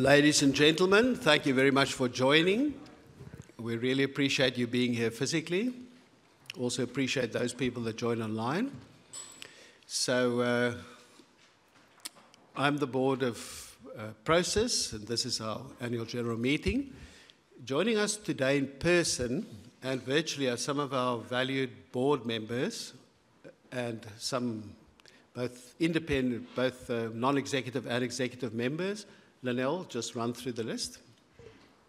Ladies and gentlemen, thank you very much for joining. We really appreciate you being here physically. Also appreciate those people that joined online. So, I'm the board of Prosus, and this is our annual general meeting. Joining us today in person and virtually are some of our valued board members and some both independent, both non-executive and executive members. Lynelle, just run through the list.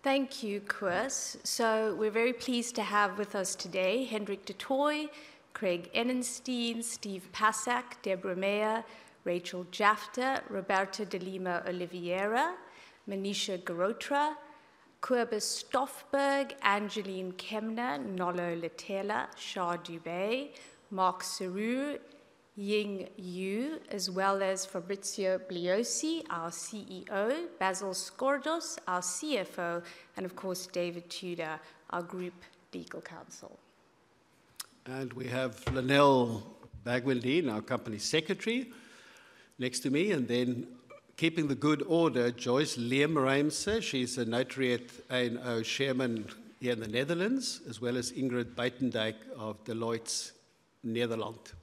Thank you, Koos, so we're very pleased to have with us today Hendrik du Toit, Craig Enenstein, Steve Pacak, Debra Meyer, Rachel Jafta, Roberto Oliveira de Lima, Manisha Girotra, Cobus Stofberg, Angelien Kemna, Nolo Letele, Sharmistha Dubey, Mark Sorour, Ying Xu, as well as Fabricio Bloisi, our CEO, Basil Sgourdos, our CFO, and of course, David Tudor, our group legal counsel. And we have Lynelle Bagwandeen, our company secretary, next to me, and then keeping the good order, Joyce Leemrijse. She's a notary at A&O Shearman here in the Netherlands, as well as Ingrid Buitendijk of Deloitte Nederland.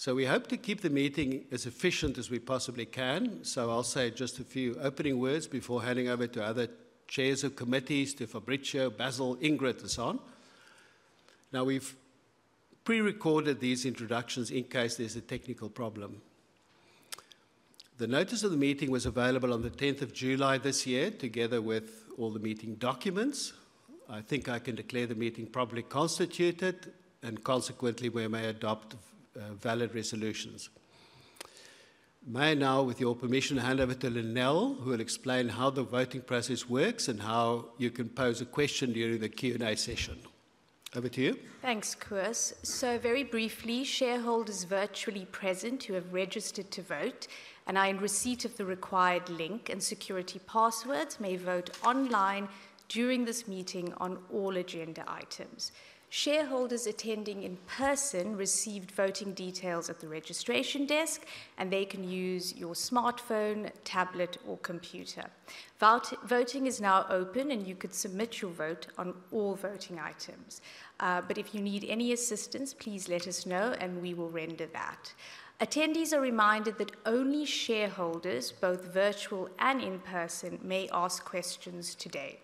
So we hope to keep the meeting as efficient as we possibly can. So I'll say just a few opening words before handing over to other chairs of committees, to Fabricio, Basil, Ingrid, and so on. Now, we've pre-recorded these introductions in case there's a technical problem. The notice of the meeting was available on the 10th of July this year, together with all the meeting documents. I think I can declare the meeting properly constituted, and consequently, we may adopt valid resolutions. May I now, with your permission, hand over to Lynelle, who will explain how the voting process works and how you can pose a question during the Q&A session. Over to you. Thanks, Koos. So very briefly, shareholders virtually present who have registered to vote and are in receipt of the required link and security passwords may vote online during this meeting on all agenda items. Shareholders attending in person received voting details at the registration desk, and they can use your smartphone, tablet, or computer. Voting is now open, and you could submit your vote on all voting items. But if you need any assistance, please let us know, and we will render that. Attendees are reminded that only shareholders, both virtual and in-person, may ask questions today.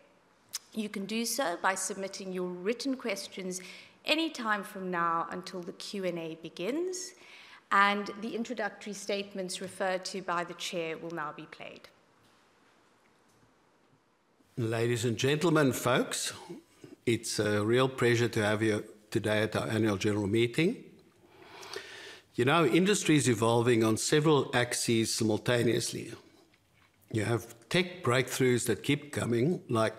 You can do so by submitting your written questions anytime from now until the Q&A begins, and the introductory statements referred to by the chair will now be played. Ladies and gentlemen, folks, it's a real pleasure to have you today at our annual general meeting. You know, industry is evolving on several axes simultaneously. You have tech breakthroughs that keep coming, like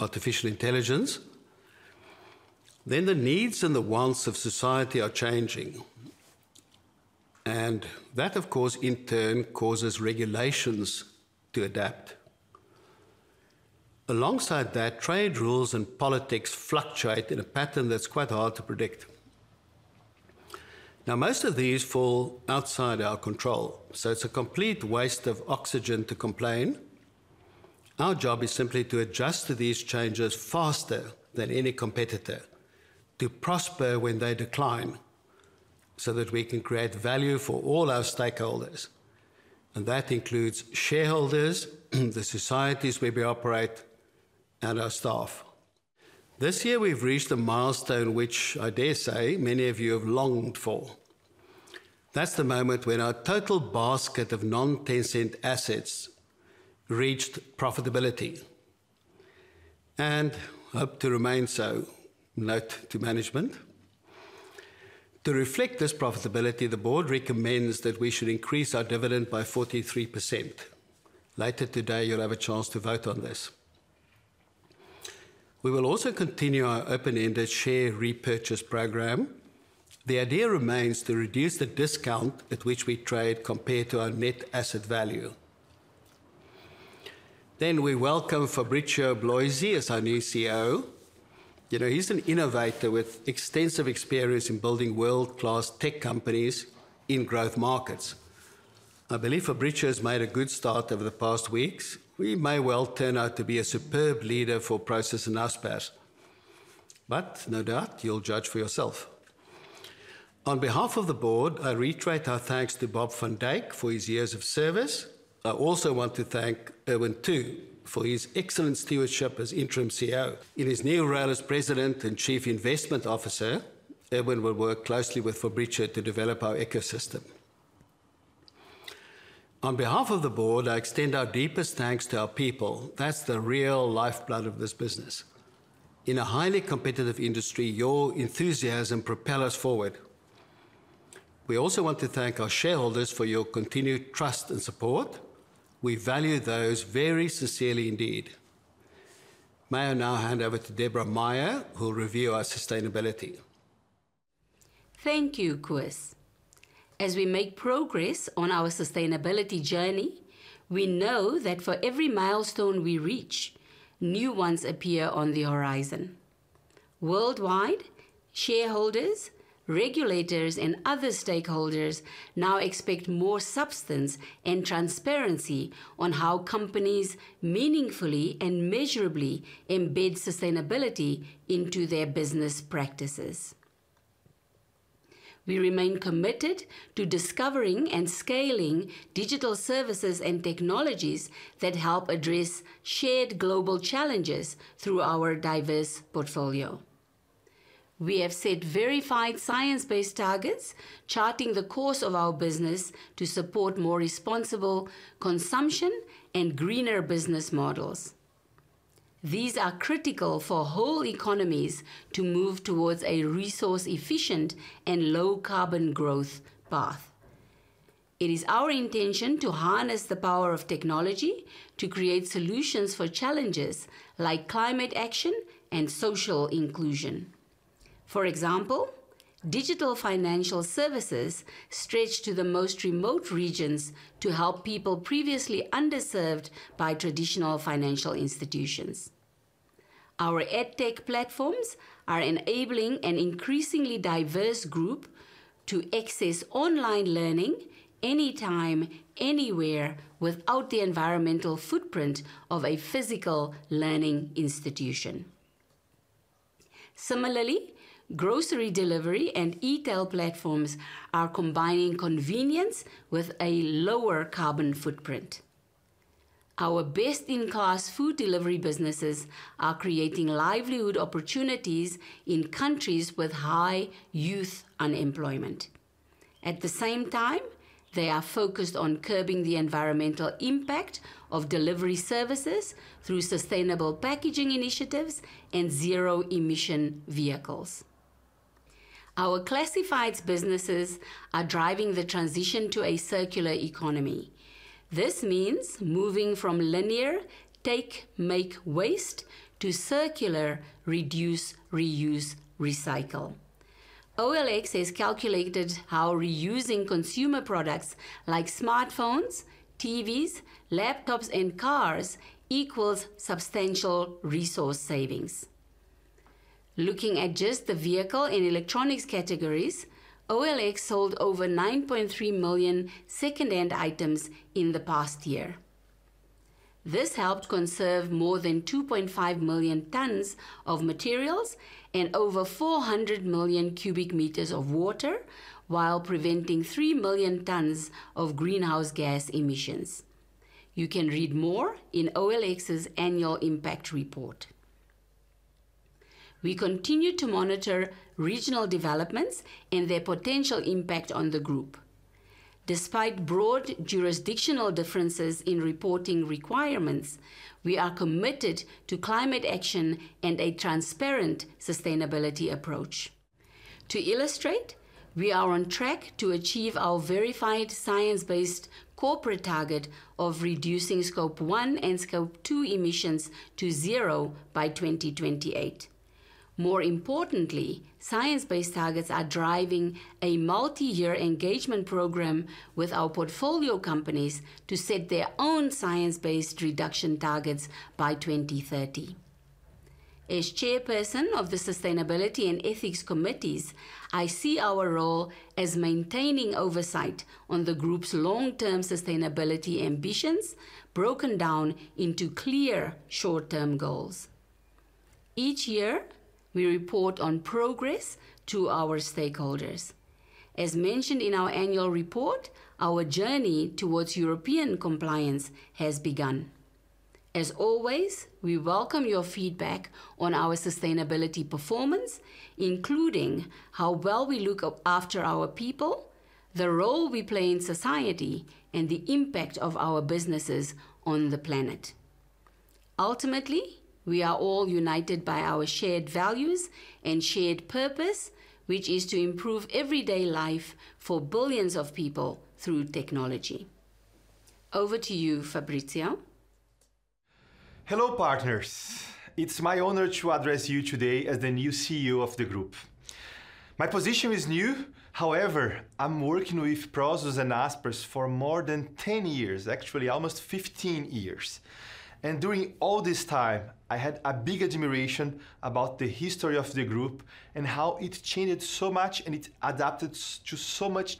artificial intelligence. Then the needs and the wants of society are changing, and that, of course, in turn, causes regulations to adapt. Alongside that, trade rules and politics fluctuate in a pattern that's quite hard to predict. Now, most of these fall outside our control, so it's a complete waste of oxygen to complain. Our job is simply to adjust to these changes faster than any competitor, to prosper when they decline, so that we can create value for all our stakeholders, and that includes shareholders, the societies where we operate, and our staff. This year, we've reached a milestone, which I dare say, many of you have longed for. That's the moment when our total basket of non-Tencent assets reached profitability, and hope to remain so. Note to management: To reflect this profitability, the board recommends that we should increase our dividend by 43%. Later today, you'll have a chance to vote on this. We will also continue our open-ended share repurchase program. The idea remains to reduce the discount at which we trade compared to our net asset value. We then welcome Fabricio Bloisi as our new CEO. You know, he's an innovator with extensive experience in building world-class tech companies in growth markets. I believe Fabricio has made a good start over the past weeks. He may well turn out to be a superb leader for Prosus and Naspers, but no doubt, you'll judge for yourself. On behalf of the board, I reiterate our thanks to Bob van Dijk for his years of service. I also want to thank Ervin Tu for his excellent stewardship as interim CEO. In his new role as president and chief investment officer, Ervin will work closely with Fabricio to develop our ecosystem. On behalf of the board, I extend our deepest thanks to our people. That's the real lifeblood of this business. In a highly competitive industry, your enthusiasm propel us forward. We also want to thank our shareholders for your continued trust and support. We value those very sincerely indeed. May I now hand over to Debra Meyer, who'll review our sustainability. Thank you, Koos. As we make progress on our sustainability journey, we know that for every milestone we reach, new ones appear on the horizon. Worldwide, shareholders, regulators, and other stakeholders now expect more substance and transparency on how companies meaningfully and measurably embed sustainability into their business practices. We remain committed to discovering and scaling digital services and technologies that help address shared global challenges through our diverse portfolio. We have set verified science-based targets, charting the course of our business to support more responsible consumption and greener business models. These are critical for whole economies to move towards a resource-efficient and low-carbon growth path. It is our intention to harness the power of technology to create solutions for challenges like climate action and social inclusion. For example, digital financial services stretch to the most remote regions to help people previously underserved by traditional financial institutions. Our EdTech platforms are enabling an increasingly diverse group to access online learning anytime, anywhere, without the environmental footprint of a physical learning institution. Similarly, grocery delivery and e-tail platforms are combining convenience with a lower carbon footprint. Our best-in-class food delivery businesses are creating livelihood opportunities in countries with high youth unemployment. At the same time, they are focused on curbing the environmental impact of delivery services through sustainable packaging initiatives and zero-emission vehicles. Our classifieds businesses are driving the transition to a circular economy. This means moving from linear, take, make, waste, to circular, reduce, reuse, recycle. OLX has calculated how reusing consumer products like smartphones, TVs, laptops, and cars equals substantial resource savings. Looking at just the vehicle and electronics categories, OLX sold over 9.3 million second-hand items in the past year. This helped conserve more than 2.5 million tons of materials and over 400 million cubic meters of water, while preventing 3 million tons of greenhouse gas emissions. You can read more in OLX's Annual Impact Report. We continue to monitor regional developments and their potential impact on the group. Despite broad jurisdictional differences in reporting requirements, we are committed to climate action and a transparent sustainability approach. To illustrate, we are on track to achieve our verified science-based corporate target of reducing Scope 1 and Scope 2 emissions to zero by 2028. More importantly, science-based targets are driving a multi-year engagement program with our portfolio companies to set their own science-based reduction targets by 2030. As Chairperson of the Sustainability and Ethics Committees, I see our role as maintaining oversight on the group's long-term sustainability ambitions, broken down into clear short-term goals. Each year, we report on progress to our stakeholders. As mentioned in our annual report, our journey towards European compliance has begun. As always, we welcome your feedback on our sustainability performance, including how well we look after our people, the role we play in society, and the impact of our businesses on the planet. Ultimately, we are all united by our shared values and shared purpose, which is to improve everyday life for billions of people through technology. Over to you, Fabricio. Hello, partners. It's my honor to address you today as the new CEO of the group. My position is new, however, I'm working with Prosus and Naspers for more than 10 years, actually almost 15 years, and during all this time, I had a big admiration about the history of the group and how it changed so much and it adapted to so much.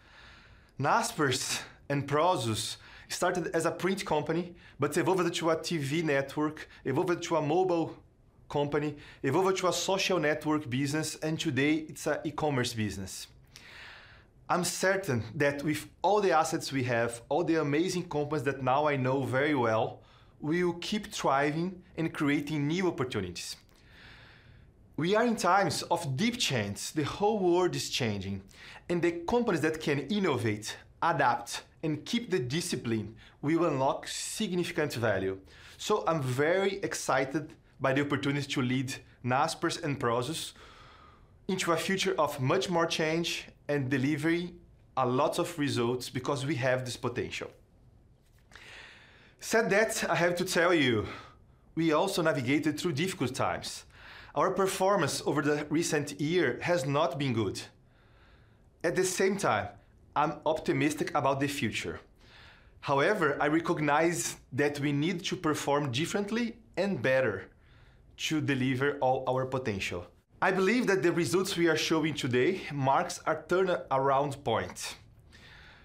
Naspers and Prosus started as a print company, but evolved into a TV network, evolved to a mobile company, evolved to a social network business, and today, it's an e-commerce business. I'm certain that with all the assets we have, all the amazing companies that now I know very well, we will keep thriving and creating new opportunities. We are in times of deep change. The whole world is changing, and the companies that can innovate, adapt, and keep the discipline will unlock significant value. So I'm very excited by the opportunity to lead Naspers and Prosus into a future of much more change and delivering a lot of results because we have this potential. That said, I have to tell you, we also navigated through difficult times. Our performance over the recent year has not been good. At the same time, I'm optimistic about the future. However, I recognize that we need to perform differently and better to deliver all our potential. I believe that the results we are showing today marks a turnaround point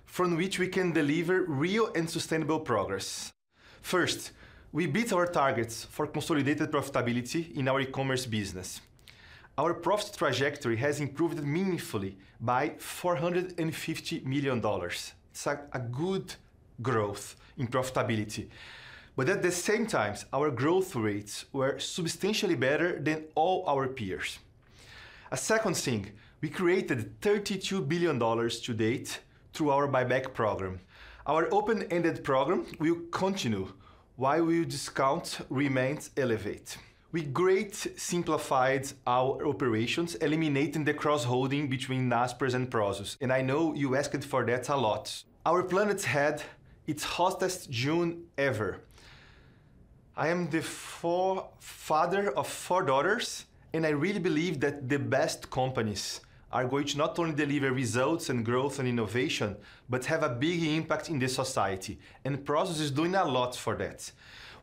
from which we can deliver real and sustainable progress. First, we beat our targets for consolidated profitability in our e-commerce business. Our profit trajectory has improved meaningfully by $450 million. It's a good growth in profitability, but at the same time, our growth rates were substantially better than all our peers. A second thing, we created $32 billion to date through our buyback program. Our open-ended program will continue while our discount remains elevated. We greatly simplified our operations, eliminating the cross-holding between Naspers and Prosus, and I know you asked for that a lot. Our planet has had its hottest June ever. I am the father of four daughters, and I really believe that the best companies are going to not only deliver results, and growth, and innovation, but have a big impact on society, and Prosus is doing a lot for that.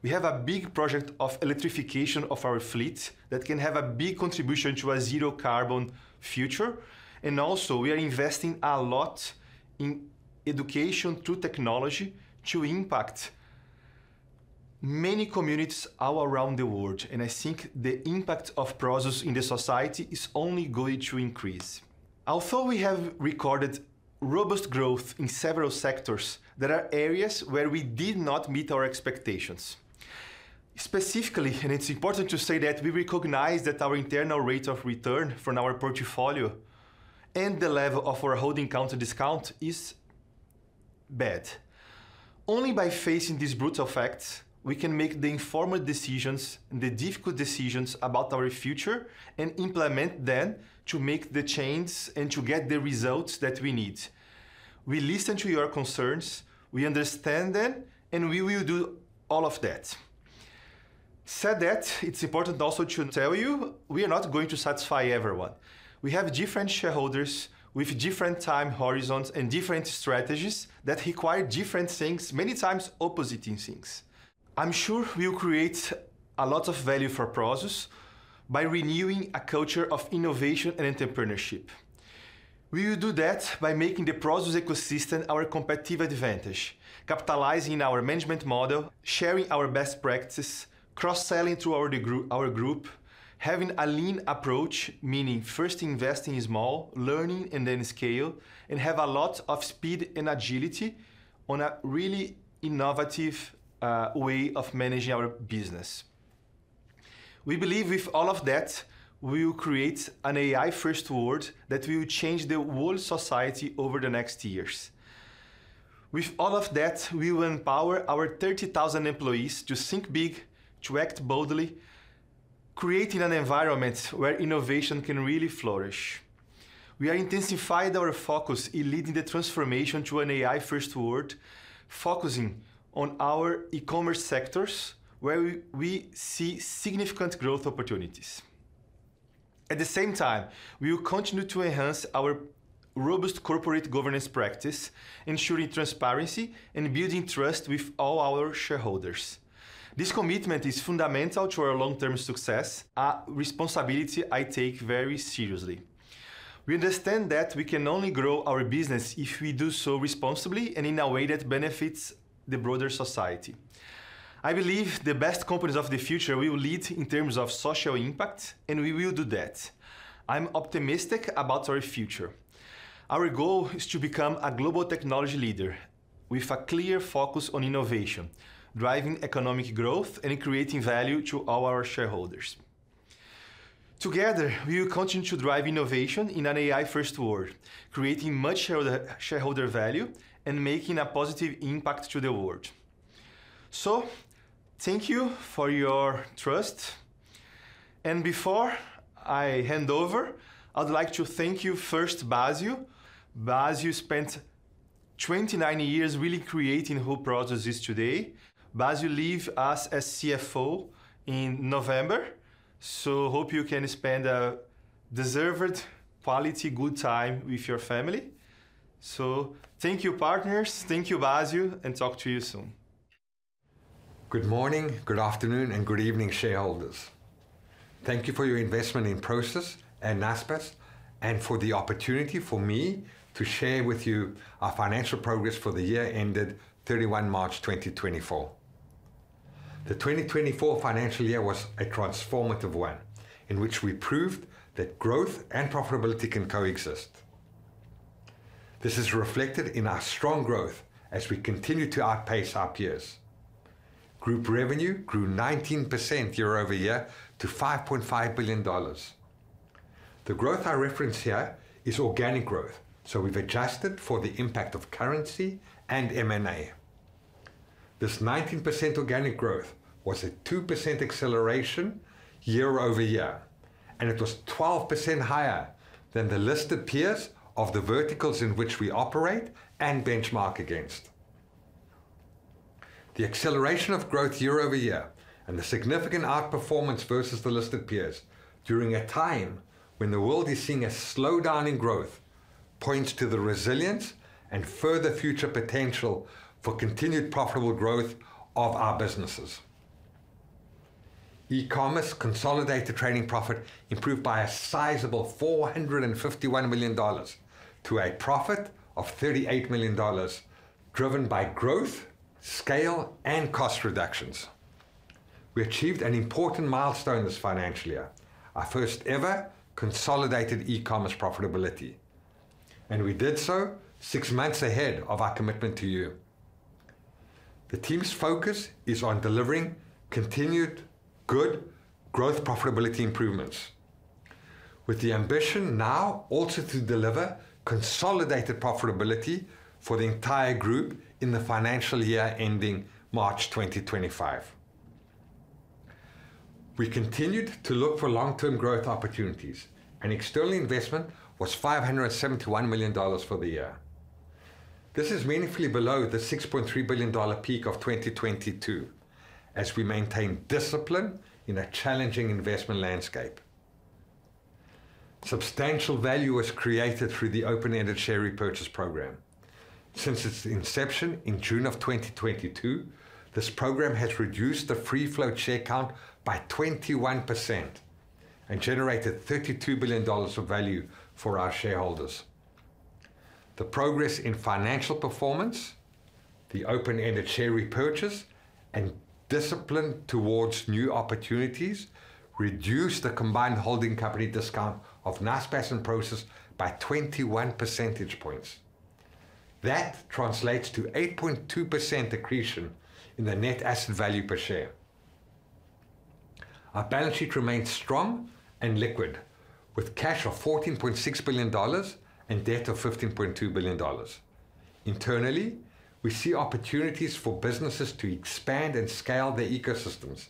We have a big project of electrification of our fleet that can have a big contribution to a zero-carbon future, and also, we are investing a lot in education through technology to impact many communities all around the world, and I think the impact of Prosus on society is only going to increase. Although we have recorded robust growth in several sectors, there are areas where we did not meet our expectations. Specifically, and it's important to say that we recognize that our internal rate of return from our portfolio and the level of our holding company discount is bad. Only by facing these brutal facts, we can make the informed decisions and the difficult decisions about our future, and implement them to make the change and to get the results that we need. We listen to your concerns, we understand them, and we will do all of that. That said, it's important also to tell you, we are not going to satisfy everyone. We have different shareholders with different time horizons and different strategies that require different things, many times, opposing things. I'm sure we'll create a lot of value for Prosus by renewing a culture of innovation and entrepreneurship. We will do that by making the Prosus ecosystem our competitive advantage, capitalizing our management model, sharing our best practices, cross-selling through our group, having a lean approach, meaning first investing small, learning, and then scale, and have a lot of speed and agility on a really innovative way of managing our business. We believe with all of that, we will create an AI-first world that will change the whole society over the next years. With all of that, we will empower our thirty thousand employees to think big, to act boldly, creating an environment where innovation can really flourish. We are intensified our focus in leading the transformation to an AI-first world, focusing on our e-commerce sectors, where we see significant growth opportunities. At the same time, we will continue to enhance our robust corporate governance practice, ensuring transparency and building trust with all our shareholders. This commitment is fundamental to our long-term success, a responsibility I take very seriously. We understand that we can only grow our business if we do so responsibly and in a way that benefits the broader society. I believe the best companies of the future will lead in terms of social impact, and we will do that. I'm optimistic about our future. Our goal is to become a global technology leader with a clear focus on innovation, driving economic growth, and creating value to all our shareholders. Together, we will continue to drive innovation in an AI-first world, creating much shareholder value and making a positive impact to the world. Thank you for your trust, and before I hand over, I'd like to thank you first, Basil. Basil spent 29 years really creating who Prosus is today. Basil leave us as CFO in November, so hope you can spend a deserved quality good time with your family. Thank you, partners. Thank you, Basil, and talk to you soon. Good morning, good afternoon, and good evening, shareholders. Thank you for your investment in Prosus and Naspers, and for the opportunity for me to share with you our financial progress for the year ended 31 March 2024. The 2024 financial year was a transformative one, in which we proved that growth and profitability can coexist. This is reflected in our strong growth as we continue to outpace our peers. Group revenue grew 19% year over year to $5.5 billion. The growth I reference here is organic growth, so we've adjusted for the impact of currency and M&A. This 19% organic growth was a 2% acceleration year over year, and it was 12% higher than the listed peers of the verticals in which we operate and benchmark against. The acceleration of growth year over year and the significant outperformance versus the listed peers during a time when the world is seeing a slowdown in growth, points to the resilience and further future potential for continued profitable growth of our businesses. E-commerce consolidated trading profit improved by a sizable $451 million to a profit of $38 million, driven by growth, scale, and cost reductions. We achieved an important milestone this financial year, our first ever consolidated e-commerce profitability, and we did so six months ahead of our commitment to you. The team's focus is on delivering continued good growth profitability improvements, with the ambition now also to deliver consolidated profitability for the entire group in the financial year ending March 2025. We continued to look for long-term growth opportunities, and external investment was $571 million for the year. This is meaningfully below the $6.3 billion peak of 2022, as we maintain discipline in a challenging investment landscape. Substantial value was created through the open-ended share repurchase program. Since its inception in June of 2022, this program has reduced the free float share count by 21% and generated $32 billion of value for our shareholders. The progress in financial performance, the open-ended share repurchase, and discipline towards new opportunities, reduced the combined holding company discount of Naspers and Prosus by 21 percentage points. That translates to 8.2% accretion in the net asset value per share. Our balance sheet remains strong and liquid, with cash of $14.6 billion and debt of $15.2 billion. Internally, we see opportunities for businesses to expand and scale their ecosystems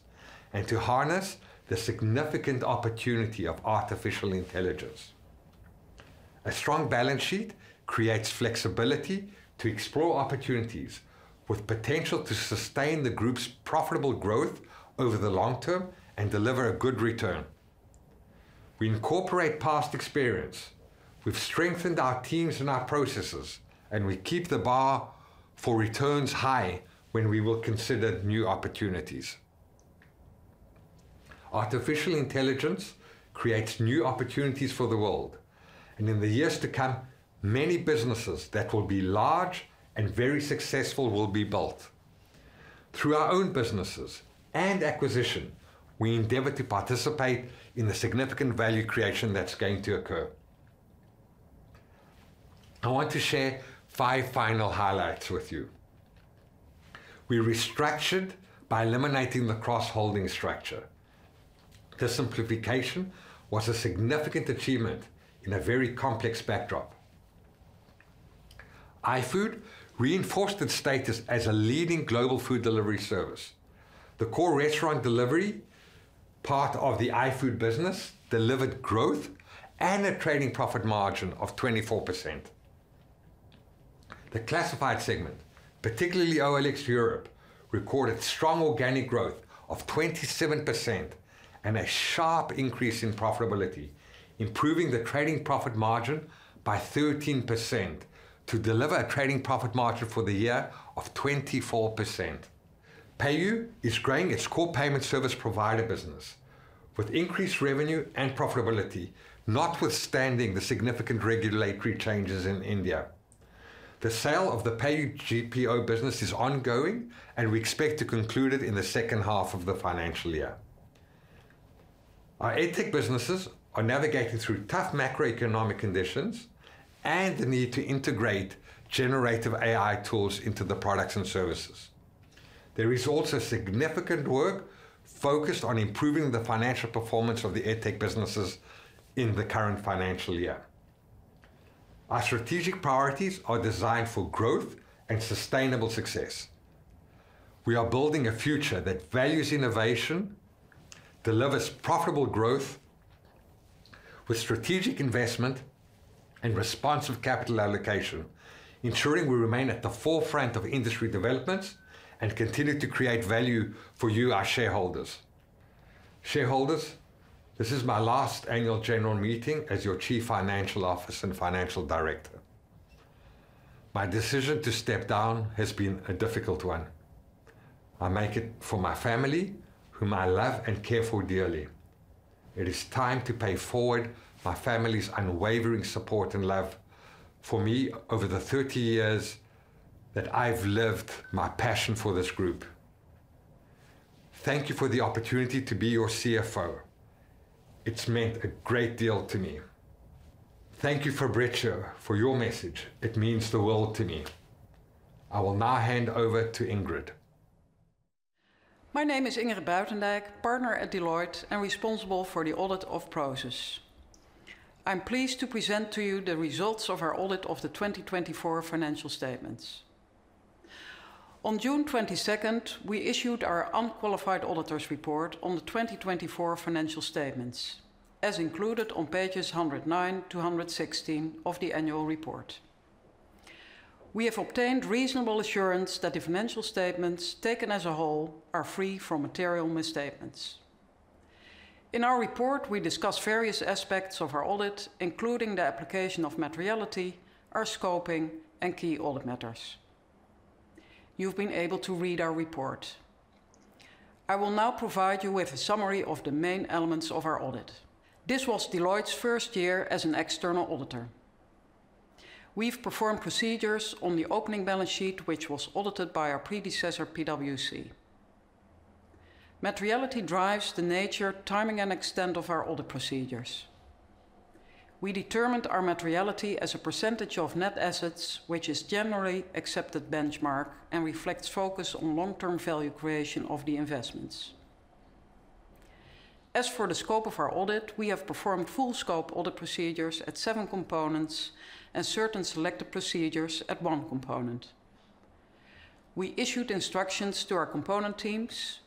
and to harness the significant opportunity of artificial intelligence. A strong balance sheet creates flexibility to explore opportunities with potential to sustain the group's profitable growth over the long term and deliver a good return. We incorporate past experience. We've strengthened our teams and our processes, and we keep the bar for returns high when we will consider new opportunities. Artificial intelligence creates new opportunities for the world, and in the years to come, many businesses that will be large and very successful will be built. Through our own businesses and acquisition, we endeavor to participate in the significant value creation that's going to occur. I want to share five final highlights with you. We restructured by eliminating the cross-holding structure. This simplification was a significant achievement in a very complex backdrop. iFood reinforced its status as a leading global food delivery service. The core restaurant delivery, part of the iFood business, delivered growth and a trading profit margin of 24%. The classified segment, particularly OLX Europe, recorded strong organic growth of 27% and a sharp increase in profitability, improving the trading profit margin by 13% to deliver a trading profit margin for the year of 24%. PayU is growing its core payment service provider business with increased revenue and profitability, notwithstanding the significant regulatory changes in India. The sale of the PayU GPO business is ongoing, and we expect to conclude it in the second half of the financial year. Our Edtech businesses are navigating through tough macroeconomic conditions and the need to integrate generative AI tools into the products and services. There is also significant work focused on improving the financial performance of the Edtech businesses in the current financial year. Our strategic priorities are designed for growth and sustainable success. We are building a future that values innovation, delivers profitable growth with strategic investment and responsive capital allocation, ensuring we remain at the forefront of industry developments and continue to create value for you, our shareholders. Shareholders, this is my last annual general meeting as your Chief Financial Officer and Financial Director. My decision to step down has been a difficult one. I make it for my family, whom I love and care for dearly. It is time to pay forward my family's unwavering support and love for me over the thirty years that I've lived my passion for this group. Thank you for the opportunity to be your CFO. It's meant a great deal to me. Thank you for the Chair, for your message. It means the world to me. I will now hand over to Ingrid. My name is Ingrid Buitendijk, partner at Deloitte and responsible for the audit of Prosus. I'm pleased to present to you the results of our audit of the 2024 financial statements. On June twenty-second, we issued our unqualified auditor's report on the 2024 financial statements... as included on pages 109 to 116 of the annual report. We have obtained reasonable assurance that the financial statements, taken as a whole, are free from material misstatements. In our report, we discuss various aspects of our audit, including the application of materiality, our scoping, and key audit matters. You've been able to read our report. I will now provide you with a summary of the main elements of our audit. This was Deloitte's first year as an external auditor. We've performed procedures on the opening balance sheet, which was audited by our predecessor, PwC. Materiality drives the nature, timing, and extent of our audit procedures. We determined our materiality as a percentage of net assets, which is generally accepted benchmark and reflects focus on long-term value creation of the investments. As for the scope of our audit, we have performed full scope audit procedures at seven components and certain selected procedures at one component. We issued instructions to our component teams,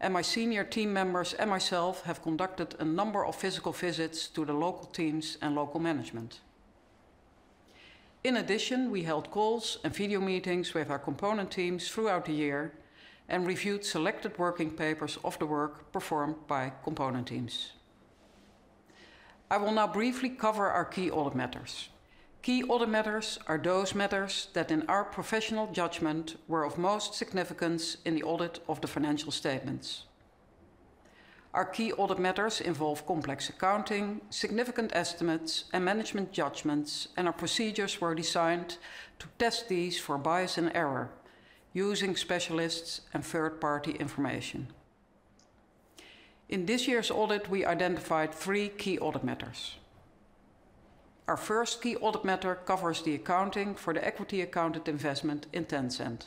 and my senior team members and myself have conducted a number of physical visits to the local teams and local management. In addition, we held calls and video meetings with our component teams throughout the year and reviewed selected working papers of the work performed by component teams. I will now briefly cover our Key Audit Matters. Key Audit Matters are those matters that, in our professional judgment, were of most significance in the audit of the financial statements. Our key audit matters involve complex accounting, significant estimates, and management judgments, and our procedures were designed to test these for bias and error using specialists and third-party information. In this year's audit, we identified three key audit matters. Our first key audit matter covers the accounting for the equity accounted investment in Tencent.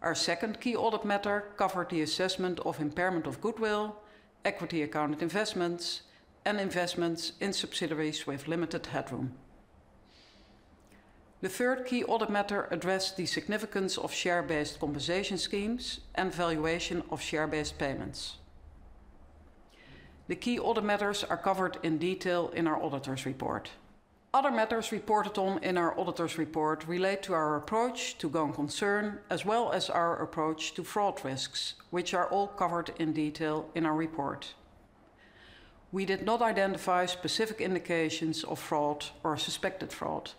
Our second key audit matter covered the assessment of impairment of goodwill, equity accounted investments, and investments in subsidiaries with limited headroom. The third key audit matter addressed the significance of share-based compensation schemes and valuation of share-based payments. The key audit matters are covered in detail in our auditor's report. Other matters reported on in our auditor's report relate to our approach to going concern, as well as our approach to fraud risks, which are all covered in detail in our report. We did not identify specific indications of fraud or suspected fraud.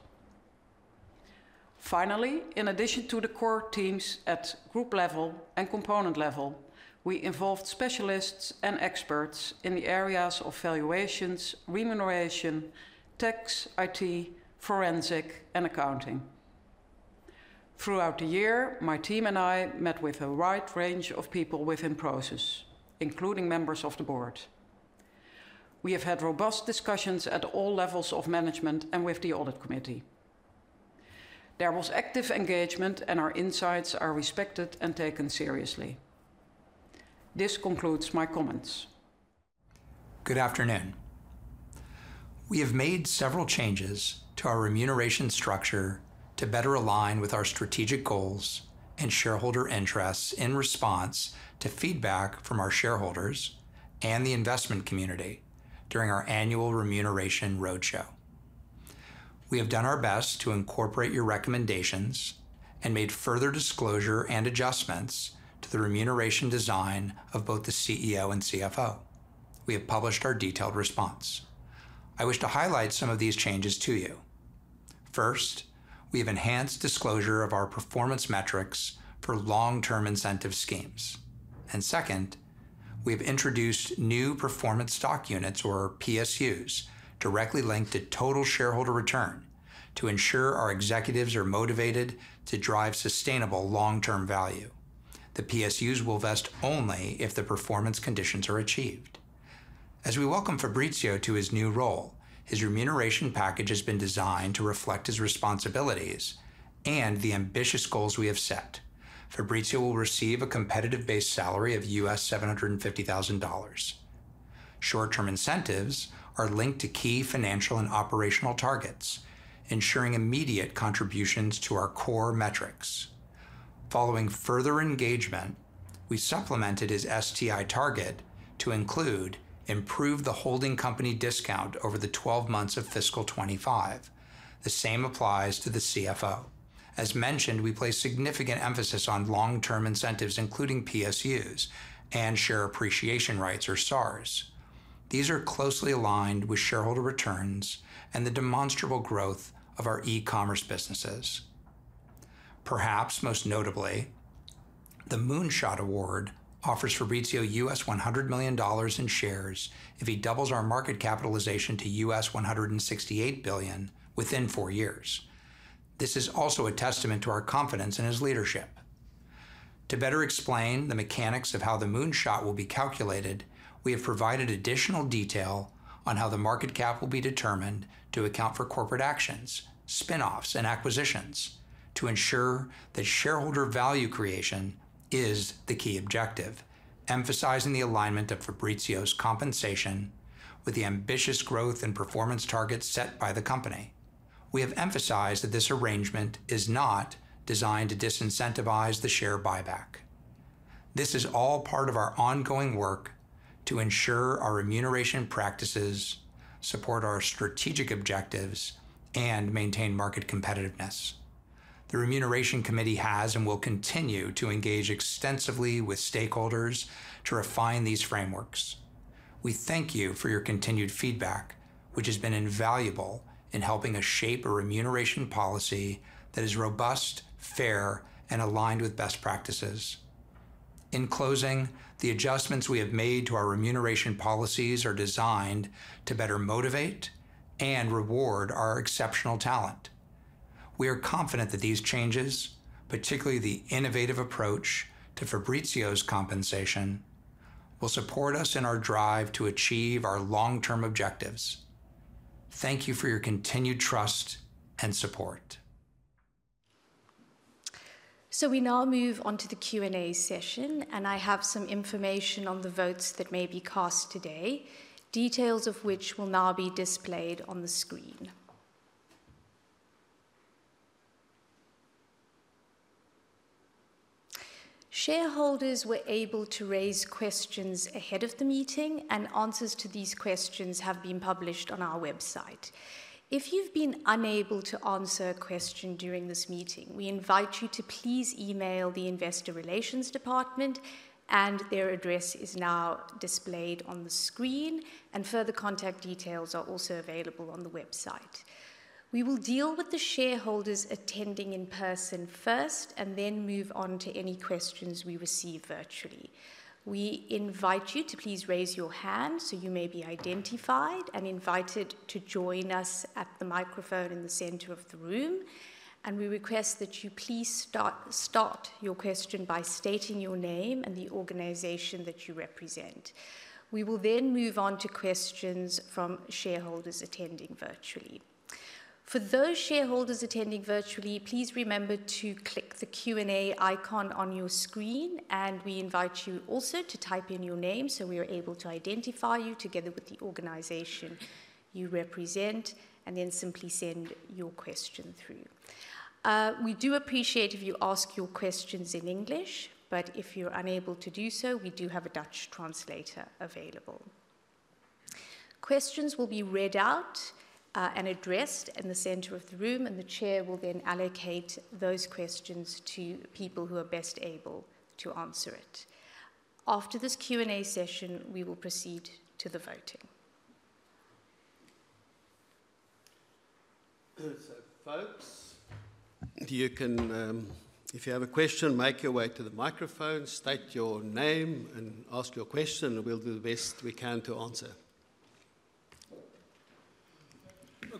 Finally, in addition to the core teams at group level and component level, we involved specialists and experts in the areas of valuations, remuneration, tax, IT, forensic, and accounting. Throughout the year, my team and I met with a wide range of people within Prosus, including members of the board. We have had robust discussions at all levels of management and with the Audit Committee. There was active engagement, and our insights are respected and taken seriously. This concludes my comments. Good afternoon. We have made several changes to our remuneration structure to better align with our strategic goals and shareholder interests in response to feedback from our shareholders and the investment community during our annual remuneration roadshow. We have done our best to incorporate your recommendations and made further disclosure and adjustments to the remuneration design of both the CEO and CFO. We have published our detailed response. I wish to highlight some of these changes to you. First, we have enhanced disclosure of our performance metrics for long-term incentive schemes, and second, we have introduced new performance stock units, or PSUs, directly linked to total shareholder return to ensure our executives are motivated to drive sustainable long-term value. The PSUs will vest only if the performance conditions are achieved. As we welcome Fabricio to his new role, his remuneration package has been designed to reflect his responsibilities and the ambitious goals we have set. Fabricio will receive a competitive base salary of $750,000. Short-term incentives are linked to key financial and operational targets, ensuring immediate contributions to our core metrics. Following further engagement, we supplemented his STI target to include: improve the holding company discount over the twelve months of fiscal 2025. The same applies to the CFO. As mentioned, we place significant emphasis on long-term incentives, including PSUs and share appreciation rights or SARs. These are closely aligned with shareholder returns and the demonstrable growth of our e-commerce businesses. Perhaps most notably, the Moonshot Award offers Fabricio $100 million in shares if he doubles our market capitalization to $168 billion within four years. This is also a testament to our confidence in his leadership. To better explain the mechanics of how the Moonshot will be calculated, we have provided additional detail on how the market cap will be determined to account for corporate actions, spin-offs, and acquisitions to ensure that shareholder value creation is the key objective, emphasizing the alignment of Fabricio's compensation with the ambitious growth and performance targets set by the company. We have emphasized that this arrangement is not designed to disincentivize the share buyback. This is all part of our ongoing work to ensure our remuneration practices support our strategic objectives and maintain market competitiveness. The Remuneration Committee has, and will continue, to engage extensively with stakeholders to refine these frameworks. We thank you for your continued feedback, which has been invaluable in helping us shape a Remuneration Policy that is robust, fair, and aligned with best practices. In closing, the adjustments we have made to our remuneration policies are designed to better motivate and reward our exceptional talent. We are confident that these changes, particularly the innovative approach to Fabricio's compensation, will support us in our drive to achieve our long-term objectives. Thank you for your continued trust and support. So we now move on to the Q&A session, and I have some information on the votes that may be cast today, details of which will now be displayed on the screen. Shareholders were able to raise questions ahead of the meeting, and answers to these questions have been published on our website. If you've been unable to answer a question during this meeting, we invite you to please email the Investor Relations department, and their address is now displayed on the screen, and further contact details are also available on the website. We will deal with the shareholders attending in person first, and then move on to any questions we receive virtually. We invite you to please raise your hand, so you may be identified and invited to join us at the microphone in the center of the room, and we request that you please start your question by stating your name and the organization that you represent. We will then move on to questions from shareholders attending virtually. For those shareholders attending virtually, please remember to click the Q&A icon on your screen, and we invite you also to type in your name, so we are able to identify you together with the organization you represent, and then simply send your question through. We do appreciate if you ask your questions in English, but if you're unable to do so, we do have a Dutch translator available. Questions will be read out, and addressed in the center of the room, and the chair will then allocate those questions to people who are best able to answer it. After this Q&A session, we will proceed to the voting. Folks, you can, if you have a question, make your way to the microphone, state your name, and ask your question, and we'll do the best we can to answer.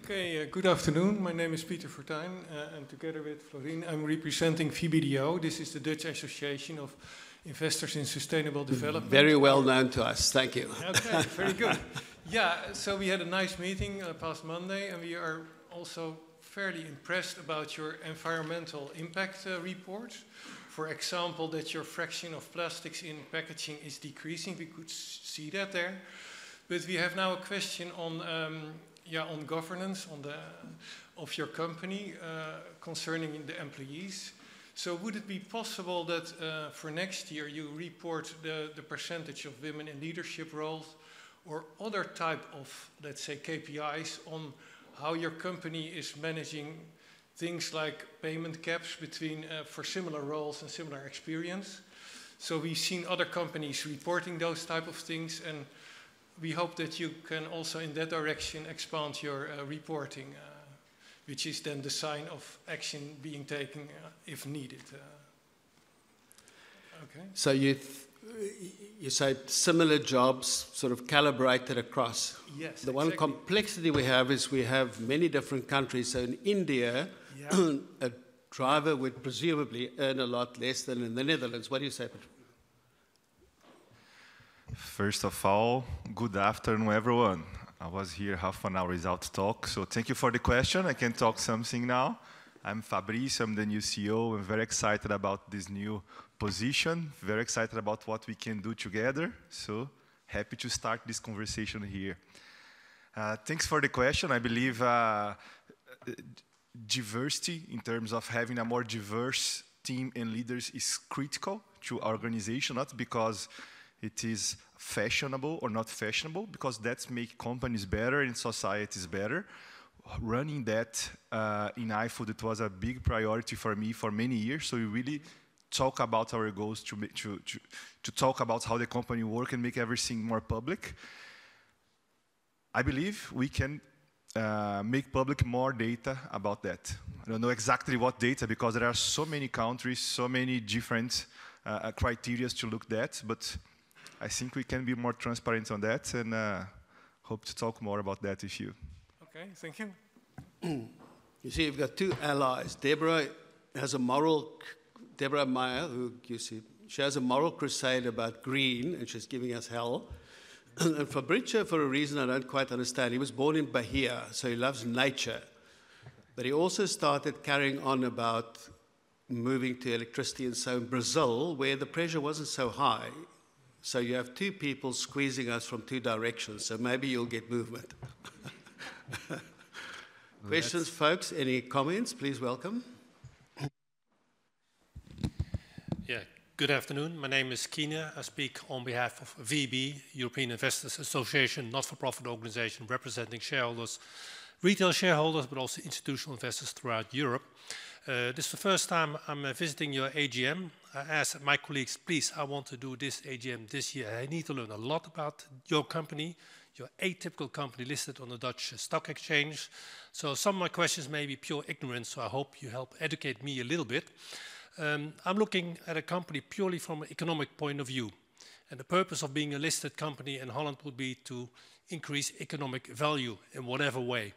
Okay. Good afternoon. My name is Pieter Fortuin, and together with Florine, I'm representing VBDO. This is the Dutch Association of Investors in Sustainable Development. Very well known to us. Thank you. Okay, very good, so we had a nice meeting past Monday, and we are also fairly impressed about your environmental impact report. For example, that your fraction of plastics in packaging is decreasing. We could see that there. But we have now a question on, on governance, on the of your company concerning the employees. So would it be possible that for next year, you report the percentage of women in leadership roles or other type of, let's say, KPIs on how your company is managing things like payment gaps between for similar roles and similar experience? So we've seen other companies reporting those type of things, and we hope that you can also, in that direction, expand your reporting, which is then the sign of action being taken if needed. Okay. So you said similar jobs sort of calibrated across? Yes, exactly. The one complexity we have is we have many different countries, so in India a driver would presumably earn a lot less than in the Netherlands. What do you say? First of all, good afternoon, everyone. I was here half an hour without talk, so thank you for the question. I can talk something now. I'm Fabricio. I'm the new CEO, and very excited about this new position. Very excited about what we can do together, so happy to start this conversation here. Thanks for the question. I believe diversity, in terms of having a more diverse team and leaders, is critical to our organization, not because it is fashionable or not fashionable, because that make companies better and societies better. Running that in iFood, it was a big priority for me for many years. So we really talk about our goals to talk about how the company work and make everything more public. I believe we can make public more data about that. I don't know exactly what data, because there are so many countries, so many different criteria to look that, but I think we can be more transparent on that, and hope to talk more about that issue. Okay. Thank you. You see, you've got two allies. Debra Meyer, who you see, she has a moral crusade about green, and she's giving us hell. Fabricio, for a reason I don't quite understand, he was born in Bahia, so he loves nature, but he also started carrying on about moving to electricity, so in Brazil, where the pressure wasn't so high, so you have two people squeezing us from two directions, so maybe you'll get movement. Questions, folks? Any comments, please welcome. Good afternoon, my name is Keyner. I speak on behalf of VEB, European Investors Association, not-for-profit organization representing shareholders, retail shareholders, but also institutional investors throughout Europe. This is the first time I'm visiting your AGM. I asked my colleagues, "Please, I want to do this AGM this year. I need to learn a lot about your company, your atypical company listed on the Dutch Stock Exchange." So some of my questions may be pure ignorance, so I hope you help educate me a little bit. I'm looking at a company purely from an economic point of view, and the purpose of being a listed company in Holland would be to increase economic value in whatever way.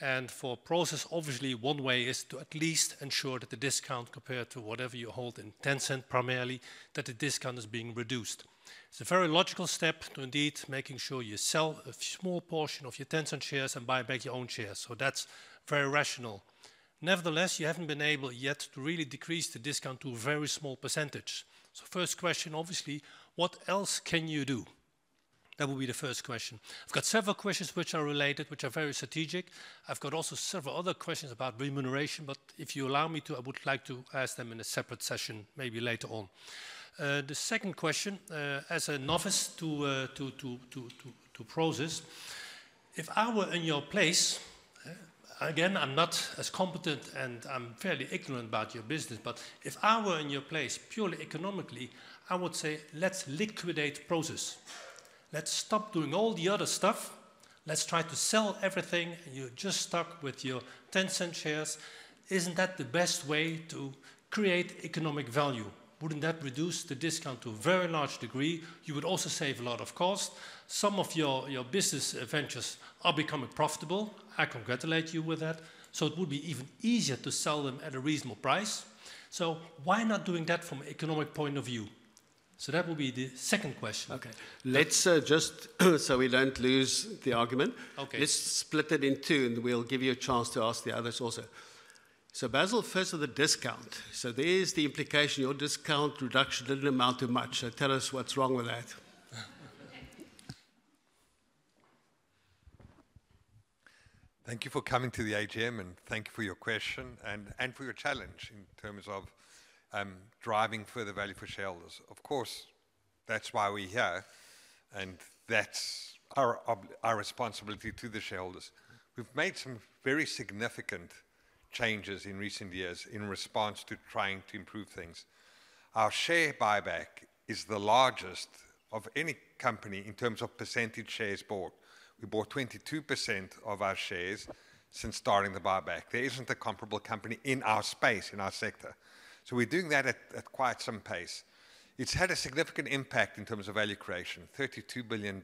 And for Prosus, obviously, one way is to at least ensure that the discount, compared to whatever you hold in Tencent primarily, that the discount is being reduced. It's a very logical step to indeed making sure you sell a small portion of your Tencent shares and buy back your own shares, so that's very rational. Nevertheless, you haven't been able yet to really decrease the discount to a very small percentage. So first question, obviously: what else can you do? That will be the first question. I've got several questions which are related, which are very strategic. I've got also several other questions about remuneration, but if you allow me to, I would like to ask them in a separate session, maybe later on. The second question, as a novice to Prosus, if I were in your place, again, I'm not as competent and I'm fairly ignorant about your business, but if I were in your place, purely economically, I would say, "Let's liquidate Prosus. Let's stop doing all the other stuff. Let's try to sell everything, and you're just stuck with your Tencent shares." Isn't that the best way to create economic value? Wouldn't that reduce the discount to a very large degree? You would also save a lot of cost. Some of your business ventures are becoming profitable, I congratulate you with that, so it would be even easier to sell them at a reasonable price. So why not doing that from an economic point of view? So that would be the second question. Okay. Let's just so we don't lose the argument- Okay. Let's split it in two, and we'll give you a chance to ask the others also. So Basil, first on the discount. So there is the implication your discount reduction doesn't amount to much, so tell us what's wrong with that? Thank you for coming to the AGM, and thank you for your question and for your challenge in terms of driving further value for shareholders. Of course, that's why we're here, and that's our responsibility to the shareholders. We've made some very significant changes in recent years in response to trying to improve things. Our share buyback is the largest of any company in terms of percentage shares bought. We bought 22% of our shares since starting the buyback. There isn't a comparable company in our space, in our sector. So we're doing that at quite some pace. It's had a significant impact in terms of value creation, $32 billion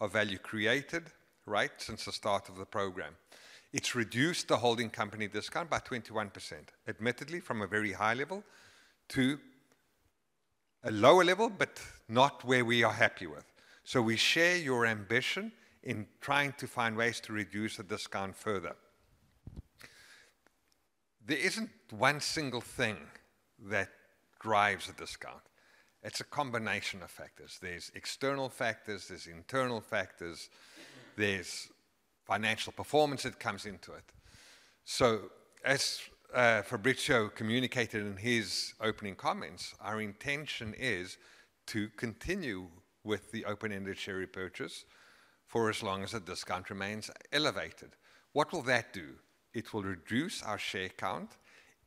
of value created, right? Since the start of the program. It's reduced the holding company discount by 21%, admittedly from a very high level to a lower level, but not where we are happy with. So we share your ambition in trying to find ways to reduce the discount further. There isn't one single thing that drives a discount. It's a combination of factors. There's external factors, there's internal factors, there's financial performance that comes into it. So as, Fabricio communicated in his opening comments, our intention is to continue with the open-ended share repurchase for as long as the discount remains elevated. What will that do? It will reduce our share count,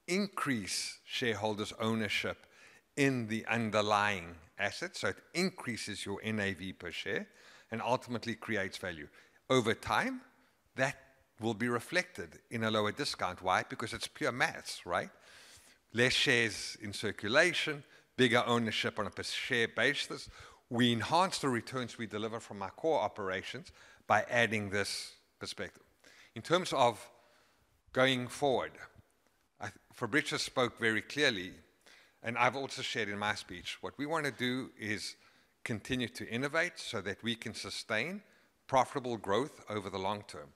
increase shareholders' ownership in the underlying assets, so it increases your NAV per share and ultimately creates value. Over time, that will be reflected in a lower discount. Why? Because it's pure math, right? Less shares in circulation, bigger ownership on a per share basis. We enhance the returns we deliver from our core operations by adding this perspective. In terms of going forward, Fabricio spoke very clearly, and I've also shared in my speech, what we want to do is continue to innovate so that we can sustain profitable growth over the long term.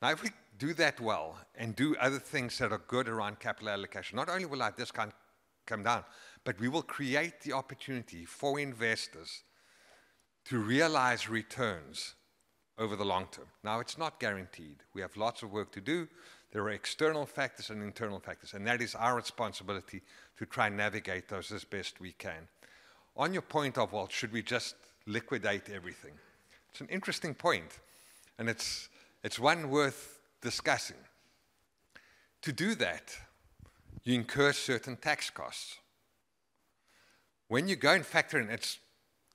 Now, if we do that well and do other things that are good around capital allocation, not only will our discount come down, but we will create the opportunity for investors to realize returns over the long term. Now, it's not guaranteed. We have lots of work to do. There are external factors and internal factors, and that is our responsibility, to try and navigate those as best we can. On your point of, well, should we just liquidate everything? It's an interesting point, and it's one worth discussing. To do that, you incur certain tax costs. When you go and factor in, it's,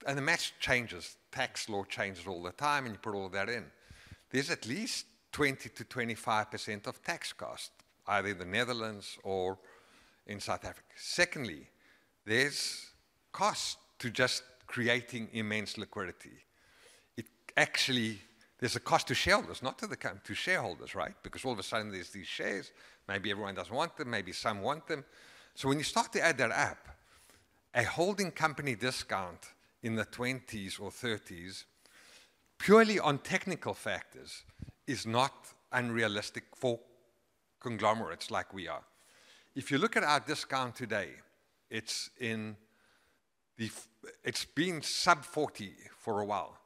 and the math changes. Tax law changes all the time, and you put all of that in. There's at least 20%-25% of tax cost, either in the Netherlands or in South Africa. Secondly, there's cost to just creating immense liquidity. It actually, there's a cost to shareholders, not to the to shareholders, right? Because all of a sudden, there's these shares. Maybe everyone doesn't want them, maybe some want them. So when you start to add that up, a holding company discount in the 20s or 30s, purely on technical factors is not unrealistic for conglomerates like we are. If you look at our discount today, it's in the it's been sub-40 for a while.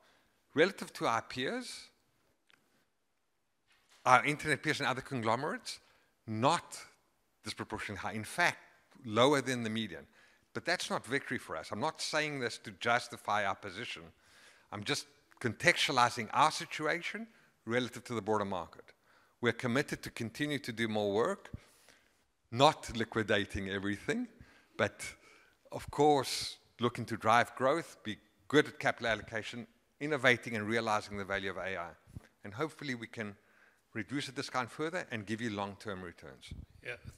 Relative to our peers, our internet peers and other conglomerates, not disproportionately high. In fact, lower than the median. But that's not victory for us. I'm not saying this to justify our position. I'm just contextualizing our situation relative to the broader market. We're committed to continue to do more work, not liquidating everything, but of course, looking to drive growth, be good at capital allocation, innovating, and realizing the value of AI. And hopefully, we can reduce the discount further and give you long-term returns.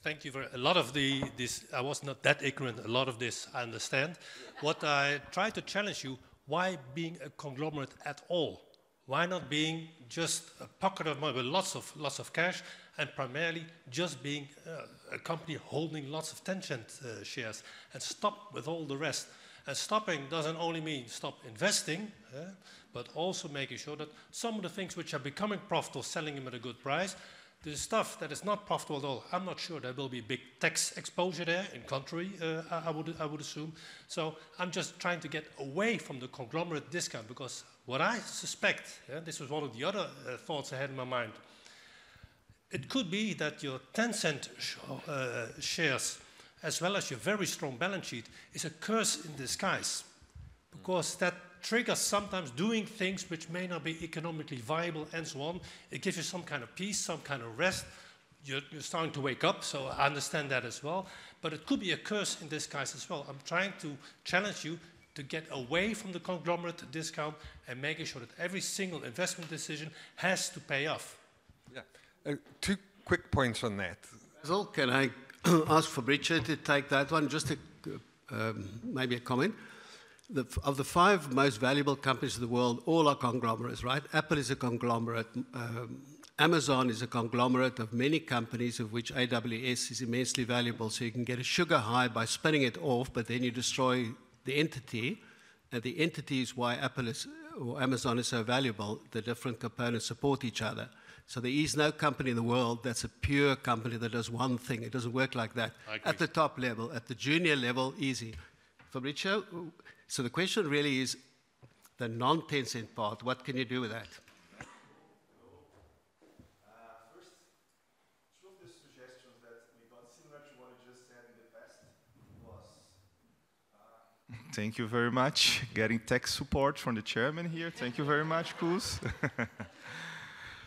Thank you very-- A lot of the, this... I was not that ignorant. A lot of this I understand. What I try to challenge you, why being a conglomerate at all? Why not being just a pocket of money with lots of, lots of cash, and primarily just being, a company holding lots of Tencent shares, and stop with all the rest? And stopping doesn't only mean stop investing, but also making sure that some of the things which are becoming profitable, selling them at a good price. The stuff that is not profitable at all, I'm not sure there will be big tax exposure there, in contrary, I would, I would assume. So I'm just trying to get away from the conglomerate discount, because what I suspect, this was one of the other thoughts I had in my mind, it could be that your Tencent shares, as well as your very strong balance sheet, is a curse in disguise. Because that triggers sometimes doing things which may not be economically viable and so on. It gives you some kind of peace, some kind of rest. You're starting to wake up, so I understand that as well. But it could be a curse in disguise as well. I'm trying to challenge you to get away from the conglomerate discount and making sure that every single investment decision has to pay off. Two quick points on that. Can I ask Fabricio to take that one? Just a, maybe a comment. Of the five most valuable companies in the world, all are conglomerates, right? Apple is a conglomerate. Amazon is a conglomerate of many companies, of which AWS is immensely valuable. So you can get a sugar high by spinning it off, but then you destroy the entity, and the entity is why Apple is or Amazon is so valuable. The different components support each other. So there is no company in the world that's a pure company that does one thing. It doesn't work like that- I agree At the top level. At the junior level, easy. For Fabricio, so the question really is the non-Tencent part, what can you do with that? First, two of the suggestions that we got, similar to what you just said in the past, was. Thank you very much. Getting tech support from the chairman here. Thank you very much, Koos.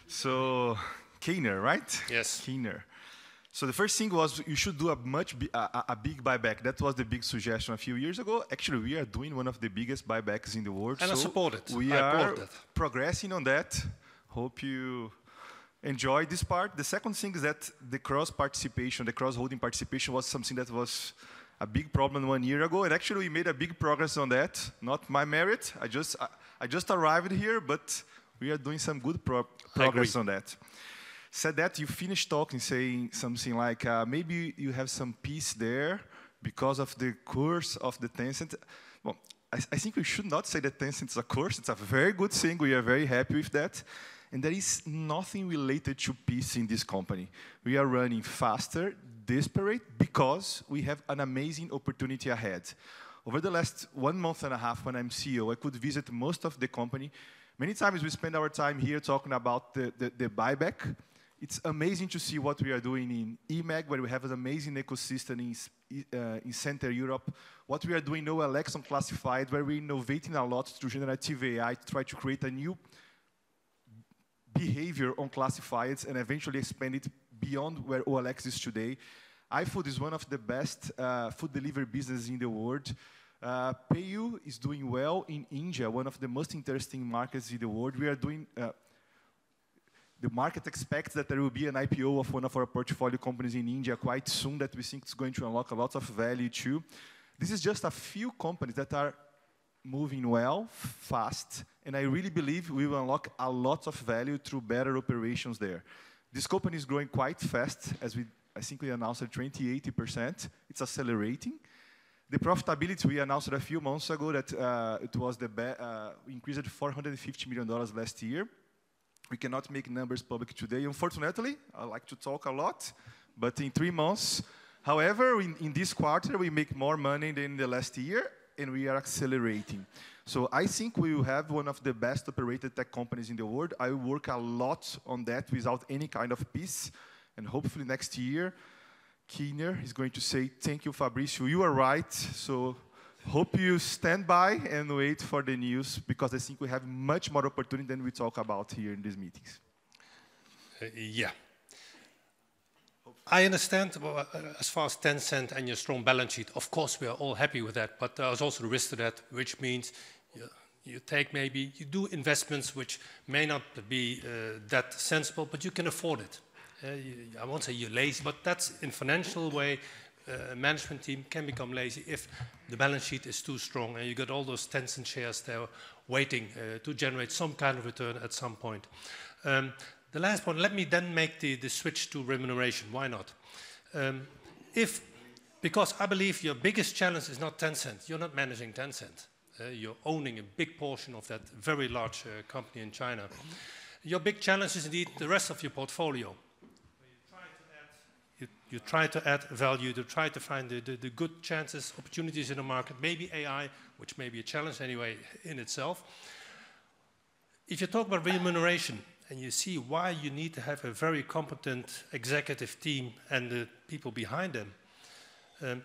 So, Keyner, right? Keyner. So the first thing was, you should do a much bigger buyback. That was the big suggestion a few years ago. Actually, we are doing one of the biggest buybacks in the world, so- I support it. We are- I support it.... progressing on that. Hope you enjoy this part. The second thing is that the cross-holding participation was something that was a big problem one year ago, and actually, we made a big progress on that. Not my merit, I just arrived here, but we are doing some good progress. I agree on that. Said that, you finished talking, saying something like, "Maybe you have some peace there because of the curse of the Tencent." Well, I think we should not say that Tencent is a curse. It's a very good thing. We are very happy with that, and there is nothing related to peace in this company. We are running faster, desperate, because we have an amazing opportunity ahead. Over the last one month and a half, when I'm CEO, I could visit most of the company. Many times we spend our time here talking about the buyback. It's amazing to see what we are doing in eMAG, where we have an amazing ecosystem in Central Europe. What we are doing now, OLX on classifieds, where we're innovating a lot through generative AI, to try to create a new behavior on classifieds, and eventually expand it beyond where OLX is today. iFood is one of the best food delivery businesses in the world. PayU is doing well in India, one of the most interesting markets in the world. We are doing. The market expects that there will be an IPO of one of our portfolio companies in India quite soon, that we think is going to unlock a lot of value, too. This is just a few companies that are moving well, fast, and I really believe we will unlock a lot of value through better operations there. This company is growing quite fast, as we I think we announced it, 20%-80%. It's accelerating. The profitability, we announced it a few months ago, that we increased it by $450 million last year. We cannot make numbers public today, unfortunately. I like to talk a lot, but in three months... However, in this quarter, we make more money than last year, and we are accelerating. So I think we will have one of the best-operated tech companies in the world. I work a lot on that without any kind of peace, and hopefully next year, Keyner is going to say, "Thank you, Fabricio, you were right." So hope you stand by and wait for the news, because I think we have much more opportunity than we talk about here in these meetings. I understand, as far as Tencent and your strong balance sheet, of course, we are all happy with that. But there is also the risk to that, which means you take maybe... You do investments which may not be that sensible, but you can afford it. I won't say you're lazy, but that's, in financial way, a management team can become lazy if the balance sheet is too strong, and you've got all those Tencent shares there waiting to generate some kind of return at some point. The last point, let me then make the switch to remuneration. Why not? Because I believe your biggest challenge is not Tencent. You're not managing Tencent, you're owning a big portion of that very large company in China. Your big challenge is indeed the rest of your portfolio, where you try to add value, to try to find the good chances, opportunities in the market, maybe AI, which may be a challenge anyway in itself. If you talk about remuneration, and you see why you need to have a very competent executive team and the people behind them,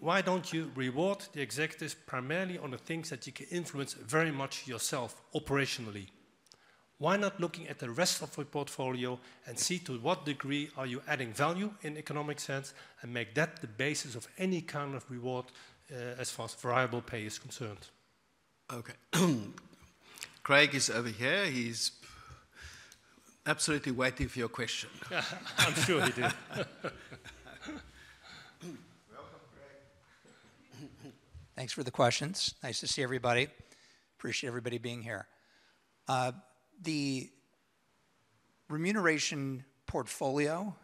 why don't you reward the executives primarily on the things that you can influence very much yourself operationally? Why not looking at the rest of the portfolio and see to what degree are you adding value in economic sense, and make that the basis of any kind of reward, as far as variable pay is concerned? Okay. Craig is over here. He's absolutely waiting for your question. I'm sure he did. Welcome, Craig. Thanks for the questions. Nice to see everybody. Appreciate everybody being here. The remuneration portfolio,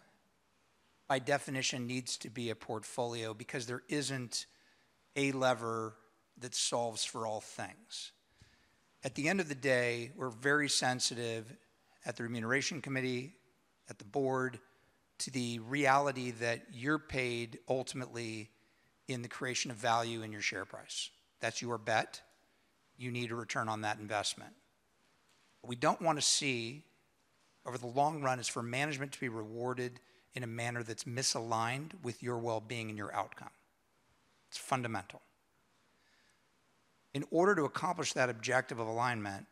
by definition, needs to be a portfolio because there isn't a lever that solves for all things. At the end of the day, we're very sensitive at the Remuneration Committee, at the board, to the reality that you're paid ultimately in the creation of value in your share price. That's your bet. You need a return on that investment. What we don't want to see over the long run is for management to be rewarded in a manner that's misaligned with your well-being and your outcome. It's fundamental. In order to accomplish that objective of alignment,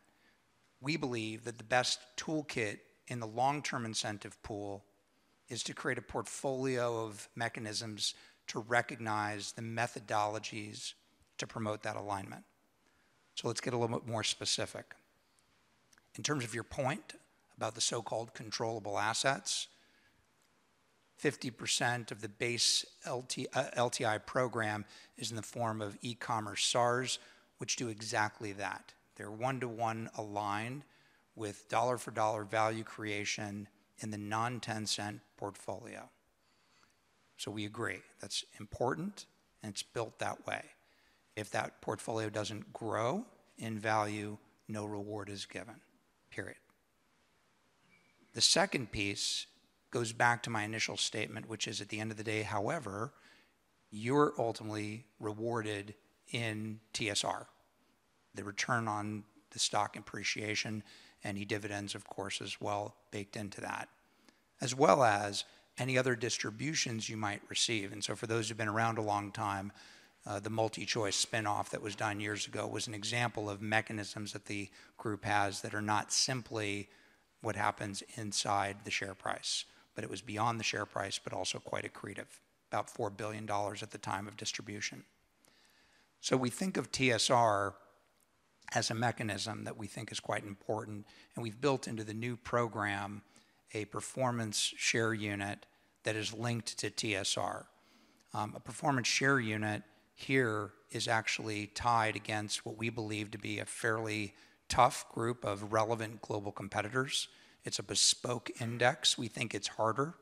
we believe that the best toolkit in the long-term incentive pool is to create a portfolio of mechanisms to recognize the methodologies to promote that alignment. So let's get a little bit more specific. In terms of your point about the so-called controllable assets, 50% of the base LT LTI program is in the form of e-commerce SARs, which do exactly that. They're one-to-one aligned with dollar-for-dollar value creation in the non-Tencent portfolio. So we agree, that's important, and it's built that way. If that portfolio doesn't grow in value, no reward is given, period. The second piece goes back to my initial statement, which is, at the end of the day, however, you're ultimately rewarded in TSR, the return on the stock appreciation, any dividends, of course, as well, baked into that, as well as any other distributions you might receive. And so for those who've been around a long time, the MultiChoice spin-off that was done years ago was an example of mechanisms that the group has that are not simply what happens inside the share price, but it was beyond the share price, but also quite accretive, about $4 billion at the time of distribution. So we think of TSR as a mechanism that we think is quite important, and we've built into the new program a performance share unit that is linked to TSR. A performance share unit here is actually tied against what we believe to be a fairly tough group of relevant global competitors. It's a bespoke index. We think it's harder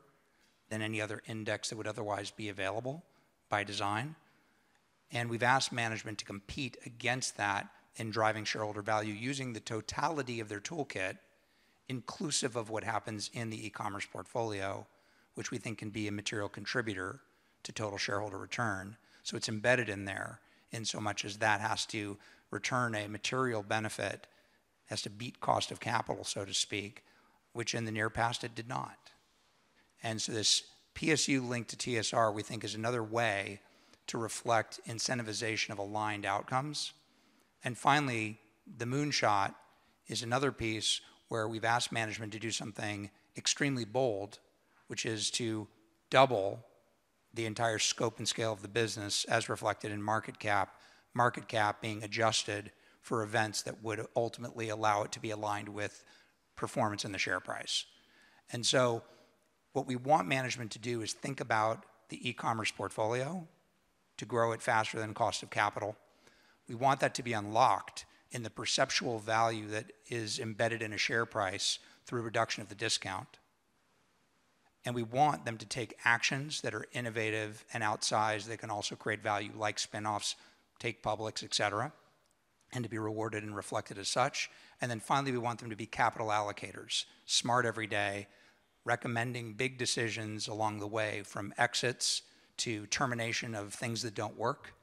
than any other index that would otherwise be available by design, and we've asked management to compete against that in driving shareholder value, using the totality of their toolkit, inclusive of what happens in the e-commerce portfolio, which we think can be a material contributor to total shareholder return, so it's embedded in there, insomuch as that has to return a material benefit, has to beat cost of capital, so to speak, which in the near past, it did not, and so this PSU linked to TSR, we think is another way to reflect incentivization of aligned outcomes. Finally, the Moonshot is another piece where we've asked management to do something extremely bold, which is to double the entire scope and scale of the business, as reflected in market cap, market cap being adjusted for events that would ultimately allow it to be aligned with performance in the share price. So what we want management to do is think about the e-commerce portfolio, to grow it faster than cost of capital. We want that to be unlocked in the perceived value that is embedded in a share price through reduction of the discount, and we want them to take actions that are innovative and outsized that can also create value, like spin-offs, take publics, et cetera, and to be rewarded and reflected as such. And then finally, we want them to be capital allocators, smart every day, recommending big decisions along the way, from exits to termination of things that don't work,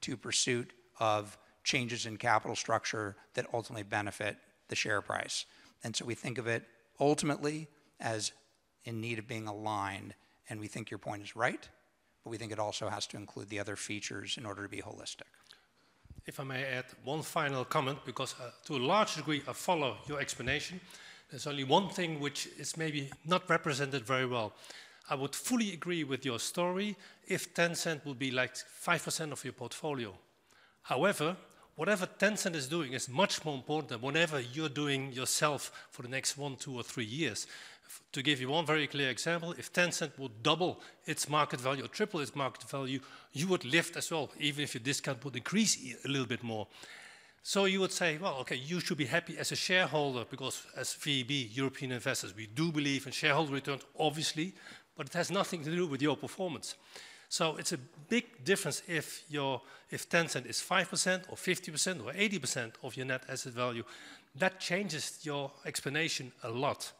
to pursuit of changes in capital structure that ultimately benefit the share price. And so we think of it ultimately as in need of being aligned, and we think your point is right, but we think it also has to include the other features in order to be holistic. If I may add one final comment, because, to a large degree, I follow your explanation. There's only one thing which is maybe not represented very well. I would fully agree with your story if Tencent would be, like, 5% of your portfolio. However, whatever Tencent is doing is much more important than whatever you're doing yourself for the next one, two, or three years. To give you one very clear example, if Tencent would double its market value or triple its market value, you would lift as well, even if your discount would increase, a little bit more. So you would say, "Well, okay, you should be happy as a shareholder," because as VEB European Investors, we do believe in shareholder returns, obviously, but it has nothing to do with your performance. It's a big difference if your if Tencent is 5% or 50% or 80% of your net asset value, that changes your explanation a lot.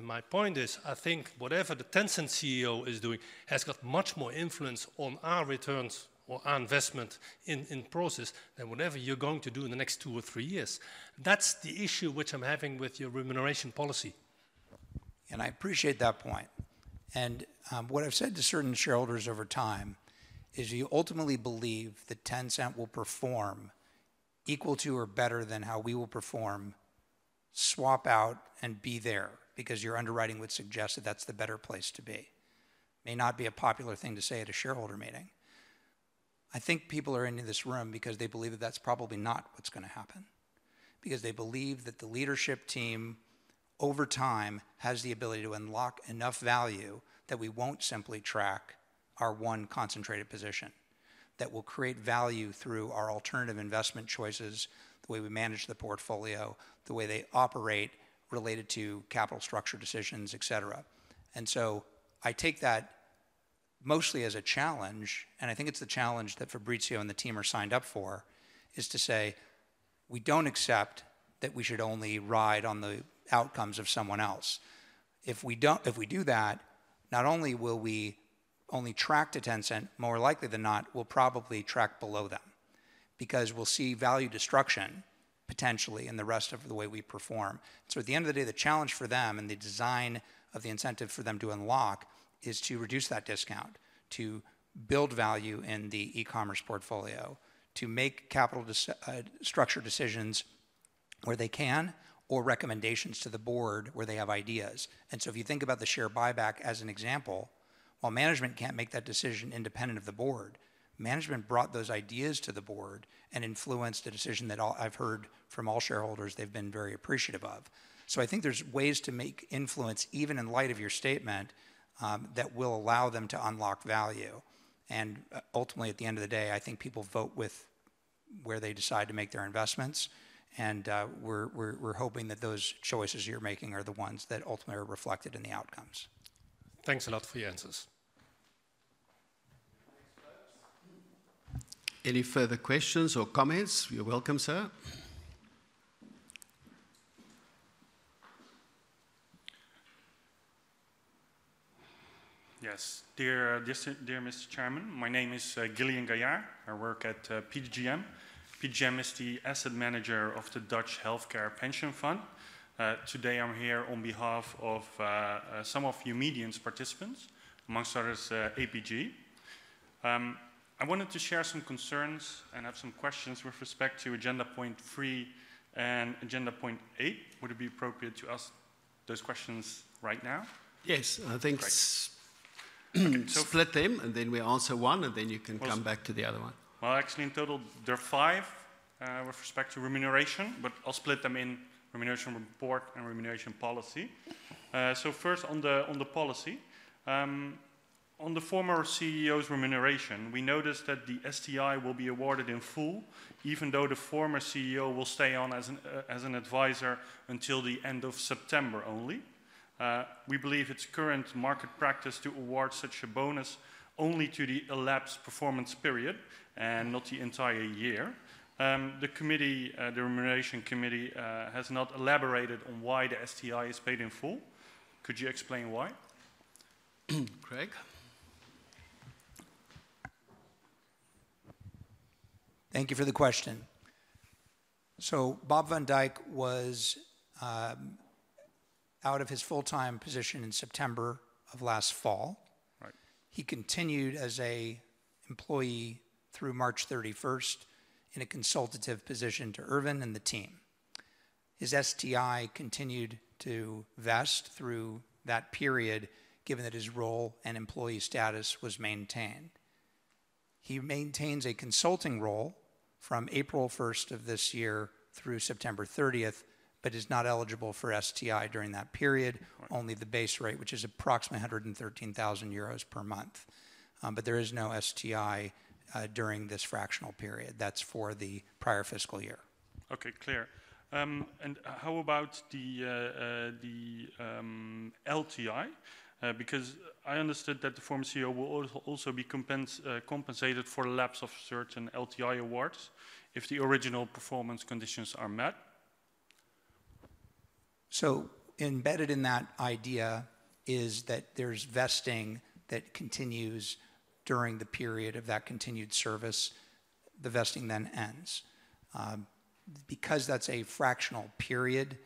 My point is, I think whatever the Tencent CEO is doing has got much more influence on our returns or our investment in Prosus than whatever you're going to do in the next two or three years. That's the issue which I'm having with your Remuneration Policy. And I appreciate that point. And, what I've said to certain shareholders over time is, if you ultimately believe that Tencent will perform equal to or better than how we will perform, swap out and be there, because your underwriting would suggest that that's the better place to be. May not be a popular thing to say at a shareholder meeting. I think people are in this room because they believe that that's probably not what's gonna happen, because they believe that the leadership team, over time, has the ability to unlock enough value that we won't simply track our one concentrated position, that we'll create value through our alternative investment choices, the way we manage the portfolio, the way they operate related to capital structure decisions, et cetera. And so I take that mostly as a challenge, and I think it's the challenge that Fabricio and the team are signed up for, is to say: We don't accept that we should only ride on the outcomes of someone else. If we don't, if we do that, not only will we only track to Tencent, more likely than not, we'll probably track below them, because we'll see value destruction, potentially, in the rest of the way we perform. So at the end of the day, the challenge for them and the design of the incentive for them to unlock is to reduce that discount, to build value in the e-commerce portfolio, to make capital structure decisions where they can, or recommendations to the board where they have ideas. And so if you think about the share buyback as an example, while management can't make that decision independent of the board, management brought those ideas to the board and influenced a decision that I've heard from all shareholders they've been very appreciative of. So I think there's ways to make influence, even in light of your statement, that will allow them to unlock value. And ultimately, at the end of the day, I think people vote with where they decide to make their investments, and we're hoping that those choices you're making are the ones that ultimately are reflected in the outcomes. Thanks a lot for your answers. Any further questions or comments? You're welcome, sir. Yes. Dear Mr. Chairman, my name is Gillian Gaillard. I work at PGGM. PGGM is the asset manager of the Dutch Healthcare Pension Fund. Today, I'm here on behalf of some of our medium-sized participants, amongst others, APG. I wanted to share some concerns and have some questions with respect to agenda point three and agenda point eight. Would it be appropriate to ask those questions right now? Yes, I think. Split them, and then we answer one, and then you can come back to the other one. Well, actually, in total, there are five with respect to remuneration, but I'll split them in Remuneration Report and Remuneration Policy. So first, on the policy, on the former CEO's remuneration, we noticed that the STI will be awarded in full, even though the former CEO will stay on as an advisor until the end of September only. We believe it's current market practice to award such a bonus only to the elapsed performance period and not the entire year. The committee, the Remuneration Committee, has not elaborated on why the STI is paid in full. Could you explain why? Craig? Thank you for the question. So Bob van Dijk was out of his full-time position in September of last fall He continued as an employee through March thirty-first in a consultative position to Ervin and the team. His STI continued to vest through that period, given that his role and employee status was maintained. He maintains a consulting role from April first of this year through September thirtieth, but is not eligible for STI during that period- Only the base rate, which is approximately 113,000 euros per month. But there is no STI during this fractional period. That's for the prior fiscal year. Okay, clear. And how about the LTI? Because I understood that the former CEO will also be compensated for the lapse of certain LTI awards if the original performance conditions are met. So embedded in that idea is that there's vesting that continues during the period of that continued service. The vesting then ends. Because that's a fractional period,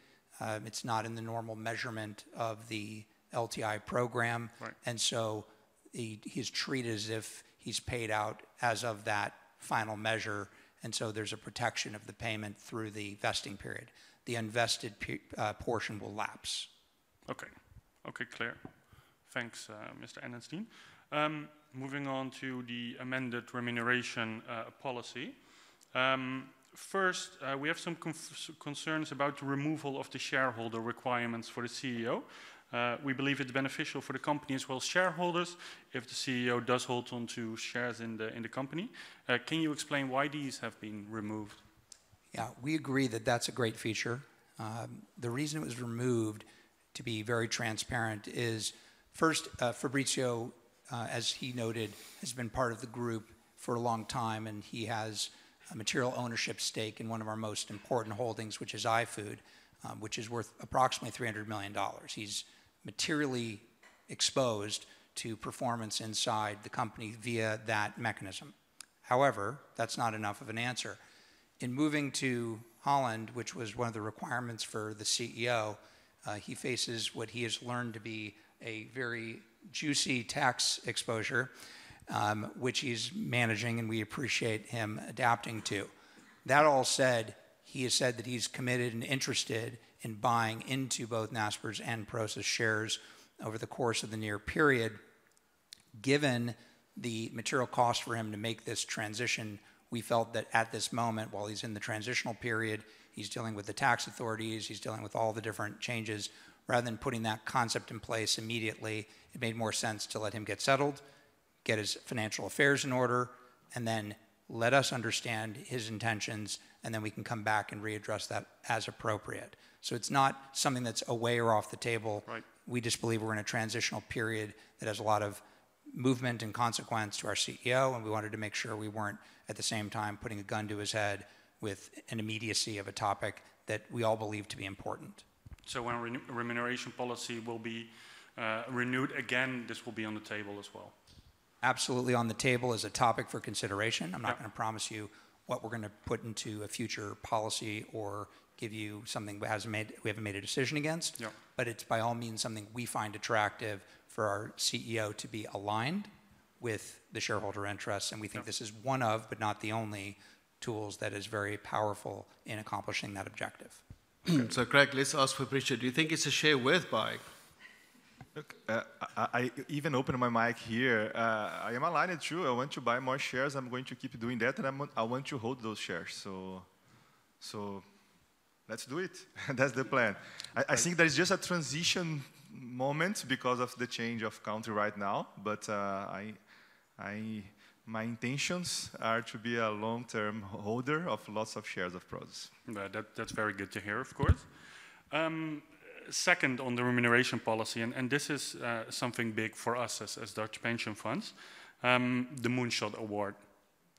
it's not in the normal measurement of the LTI program. And so he, he's treated as if he's paid out as of that final measure, and so there's a protection of the payment through the vesting period. The unvested portion will lapse. Okay. Clear. Thanks, Mr. Enenstein. Moving on to the amended Remuneration Policy. First, we have some concerns about the removal of the shareholder requirements for the CEO. We believe it's beneficial for the company as well as shareholders if the CEO does hold on to shares in the company. Can you explain why these have been removed? We agree that that's a great feature. The reason it was removed, to be very transparent, is first, Fabricio, as he noted, has been part of the group for a long time, and he has a material ownership stake in one of our most important holdings, which is iFood, which is worth approximately $300 million. He's materially exposed to performance inside the company via that mechanism. However, that's not enough of an answer. In moving to Holland, which was one of the requirements for the CEO, he faces what he has learned to be a very juicy tax exposure, which he's managing, and we appreciate him adapting to. That all said, he has said that he's committed and interested in buying into both Naspers and Prosus shares over the course of the near period. Given the material cost for him to make this transition, we felt that at this moment, while he's in the transitional period, he's dealing with the tax authorities, he's dealing with all the different changes. Rather than putting that concept in place immediately, it made more sense to let him get settled, get his financial affairs in order, and then let us understand his intentions, and then we can come back and readdress that as appropriate. So it's not something that's away or off the table. We just believe we're in a transitional period that has a lot of movement and consequence to our CEO, and we wanted to make sure we weren't, at the same time, putting a gun to his head with an immediacy of a topic that we all believe to be important. When Remuneration Policy will be renewed again, this will be on the table as well? Absolutely on the table as a topic for consideration. I'm not gonna promise you what we're gonna put into a future policy or give you something we haven't made a decision against. But it's by all means, something we find attractive for our CEO to be aligned with the shareholder interests- And we think this is one of, but not the only, tools that is very powerful in accomplishing that objective. So, Craig, let's ask Fabricio. Do you think it's a share worth buying? Look, I even opened my mic here. I am aligned with you. I want to buy more shares. I'm going to keep doing that, and I want to hold those shares. So let's do it. That's the plan. I think there's just a transition moment because of the change of country right now, but my intentions are to be a long-term holder of lots of shares of Prosus. Well, that's very good to hear, of course. Second, on the Remuneration Policy, and this is something big for us as Dutch pension funds, the Moonshot Award,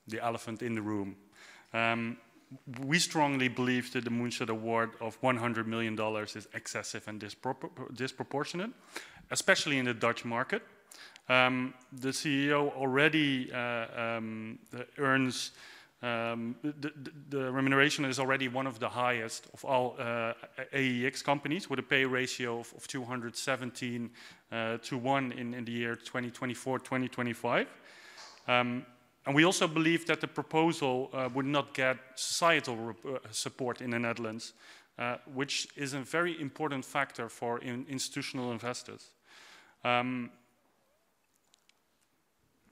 the elephant in the room. We strongly believe that the Moonshot Award of $100 million is excessive and disproportionate, especially in the Dutch market. The CEO already earns. The remuneration is already one of the highest of all AEX companies, with a pay ratio of 217 to 1 in the year 2024-2025. And we also believe that the proposal would not get societal support in the Netherlands, which is a very important factor for institutional investors.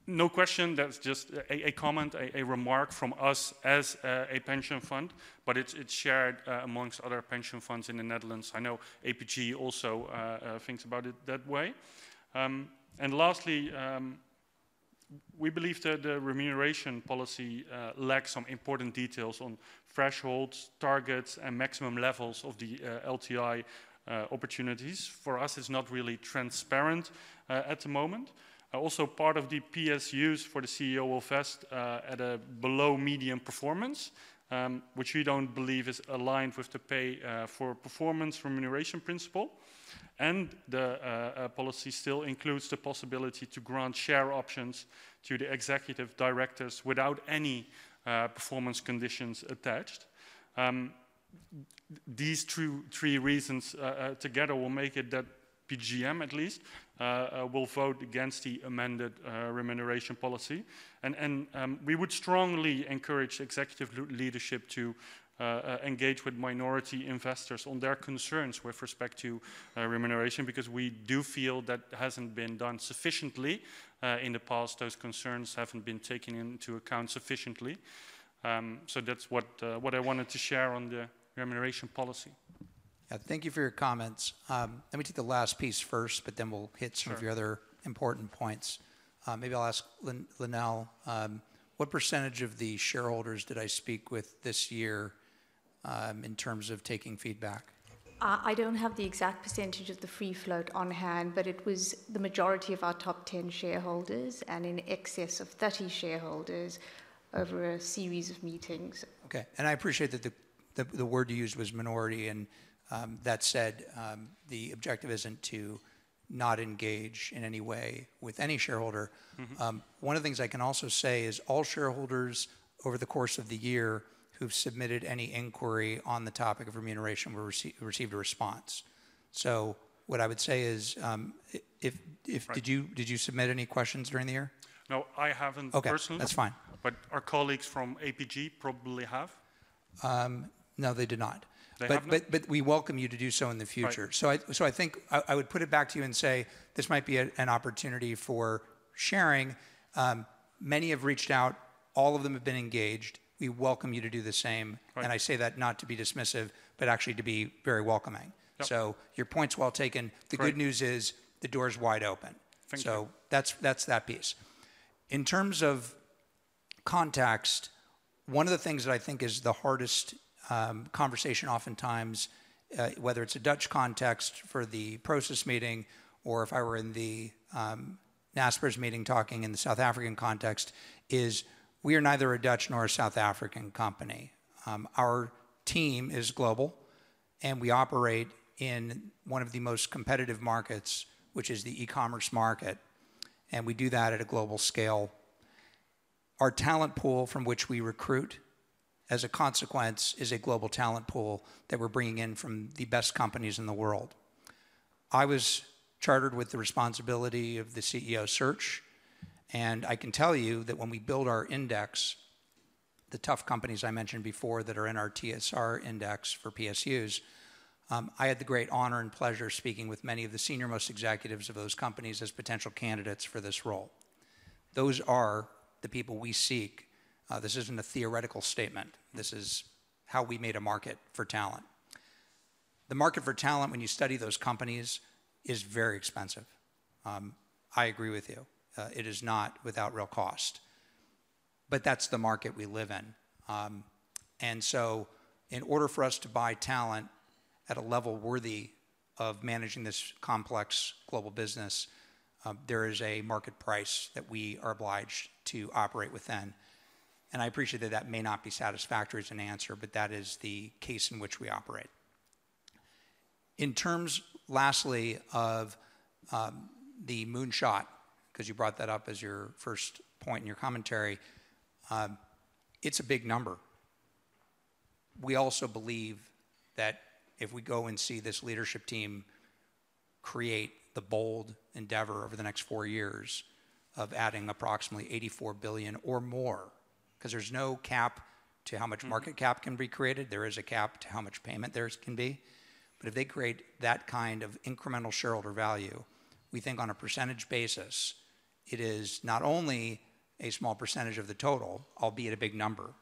No question, that's just a comment, a remark from us as a pension fund, but it's shared amongst other pension funds in the Netherlands. I know APG also thinks about it that way. And lastly, we believe that the Remuneration Policy lacks some important details on thresholds, targets, and maximum levels of the LTI opportunities. For us, it's not really transparent at the moment. Also, part of the PSUs for the CEO will vest at a below medium performance, which we don't believe is aligned with the pay for performance remuneration principle. And the policy still includes the possibility to grant share options to the executive directors without any performance conditions attached. These two, three reasons together will make it that PGGM at least will vote against the Amended Remuneration Policy. And we would strongly encourage executive leadership to engage with minority investors on their concerns with respect to remuneration, because we do feel that hasn't been done sufficiently in the past. Those concerns haven't been taken into account sufficiently. So that's what I wanted to share on the Remuneration Policy. Thank you for your comments. Let me take the last piece first, but then we'll hit- Some of your other important points. Maybe I'll ask Lynelle, what percentage of the shareholders did I speak with this year, in terms of taking feedback? I don't have the exact percentage of the free float on hand, but it was the majority of our top 10 shareholders and in excess of 30 shareholders over a series of meetings. Okay, and I appreciate that the word you used was minority, and that said, the objective isn't to not engage in any way with any shareholder. One of the things I can also say is, all shareholders over the course of the year who've submitted any inquiry on the topic of remuneration were received a response. So what I would say is, if Did you submit any questions during the year? No, I haven't personally. Okay, that's fine. But our colleagues from APG probably have. No, they did not. They haven't? But we welcome you to do so in the future. I think I would put it back to you and say this might be an opportunity for sharing. Many have reached out, all of them have been engaged. We welcome you to do the same. I say that not to be dismissive, but actually to be very welcoming. So your point's well taken. The good news is, the door's wide open. Thank you. That's, that's that piece. In terms of context, one of the things that I think is the hardest conversation oftentimes, whether it's a Dutch context for the Prosus meeting or if I were in the Naspers meeting talking in the South African context, is we are neither a Dutch nor a South African company. Our team is global, and we operate in one of the most competitive markets, which is the e-commerce market, and we do that at a global scale. Our talent pool from which we recruit, as a consequence, is a global talent pool that we're bringing in from the best companies in the world. I was chartered with the responsibility of the CEO search, and I can tell you that when we build our index, the tough companies I mentioned before that are in our TSR index for PSUs, I had the great honor and pleasure of speaking with many of the senior-most executives of those companies as potential candidates for this role. Those are the people we seek. This isn't a theoretical statement. This is how we made a market for talent. The market for talent, when you study those companies, is very expensive. I agree with you. It is not without real cost, but that's the market we live in. And so in order for us to buy talent at a level worthy of managing this complex global business, there is a market price that we are obliged to operate within, and I appreciate that that may not be satisfactory as an answer, but that is the case in which we operate. In terms, lastly, of the Moonshot, 'cause you brought that up as your first point in your commentary, it's a big number. We also believe that if we go and see this leadership team create the bold endeavor over the next four years of adding approximately 84 billion or more, 'cause there's no cap to how much- Market cap can be created. There is a cap to how much payment there can be. But if they create that kind of incremental shareholder value, we think on a percentage basis, it is not only a small percentage of the total, albeit a big number,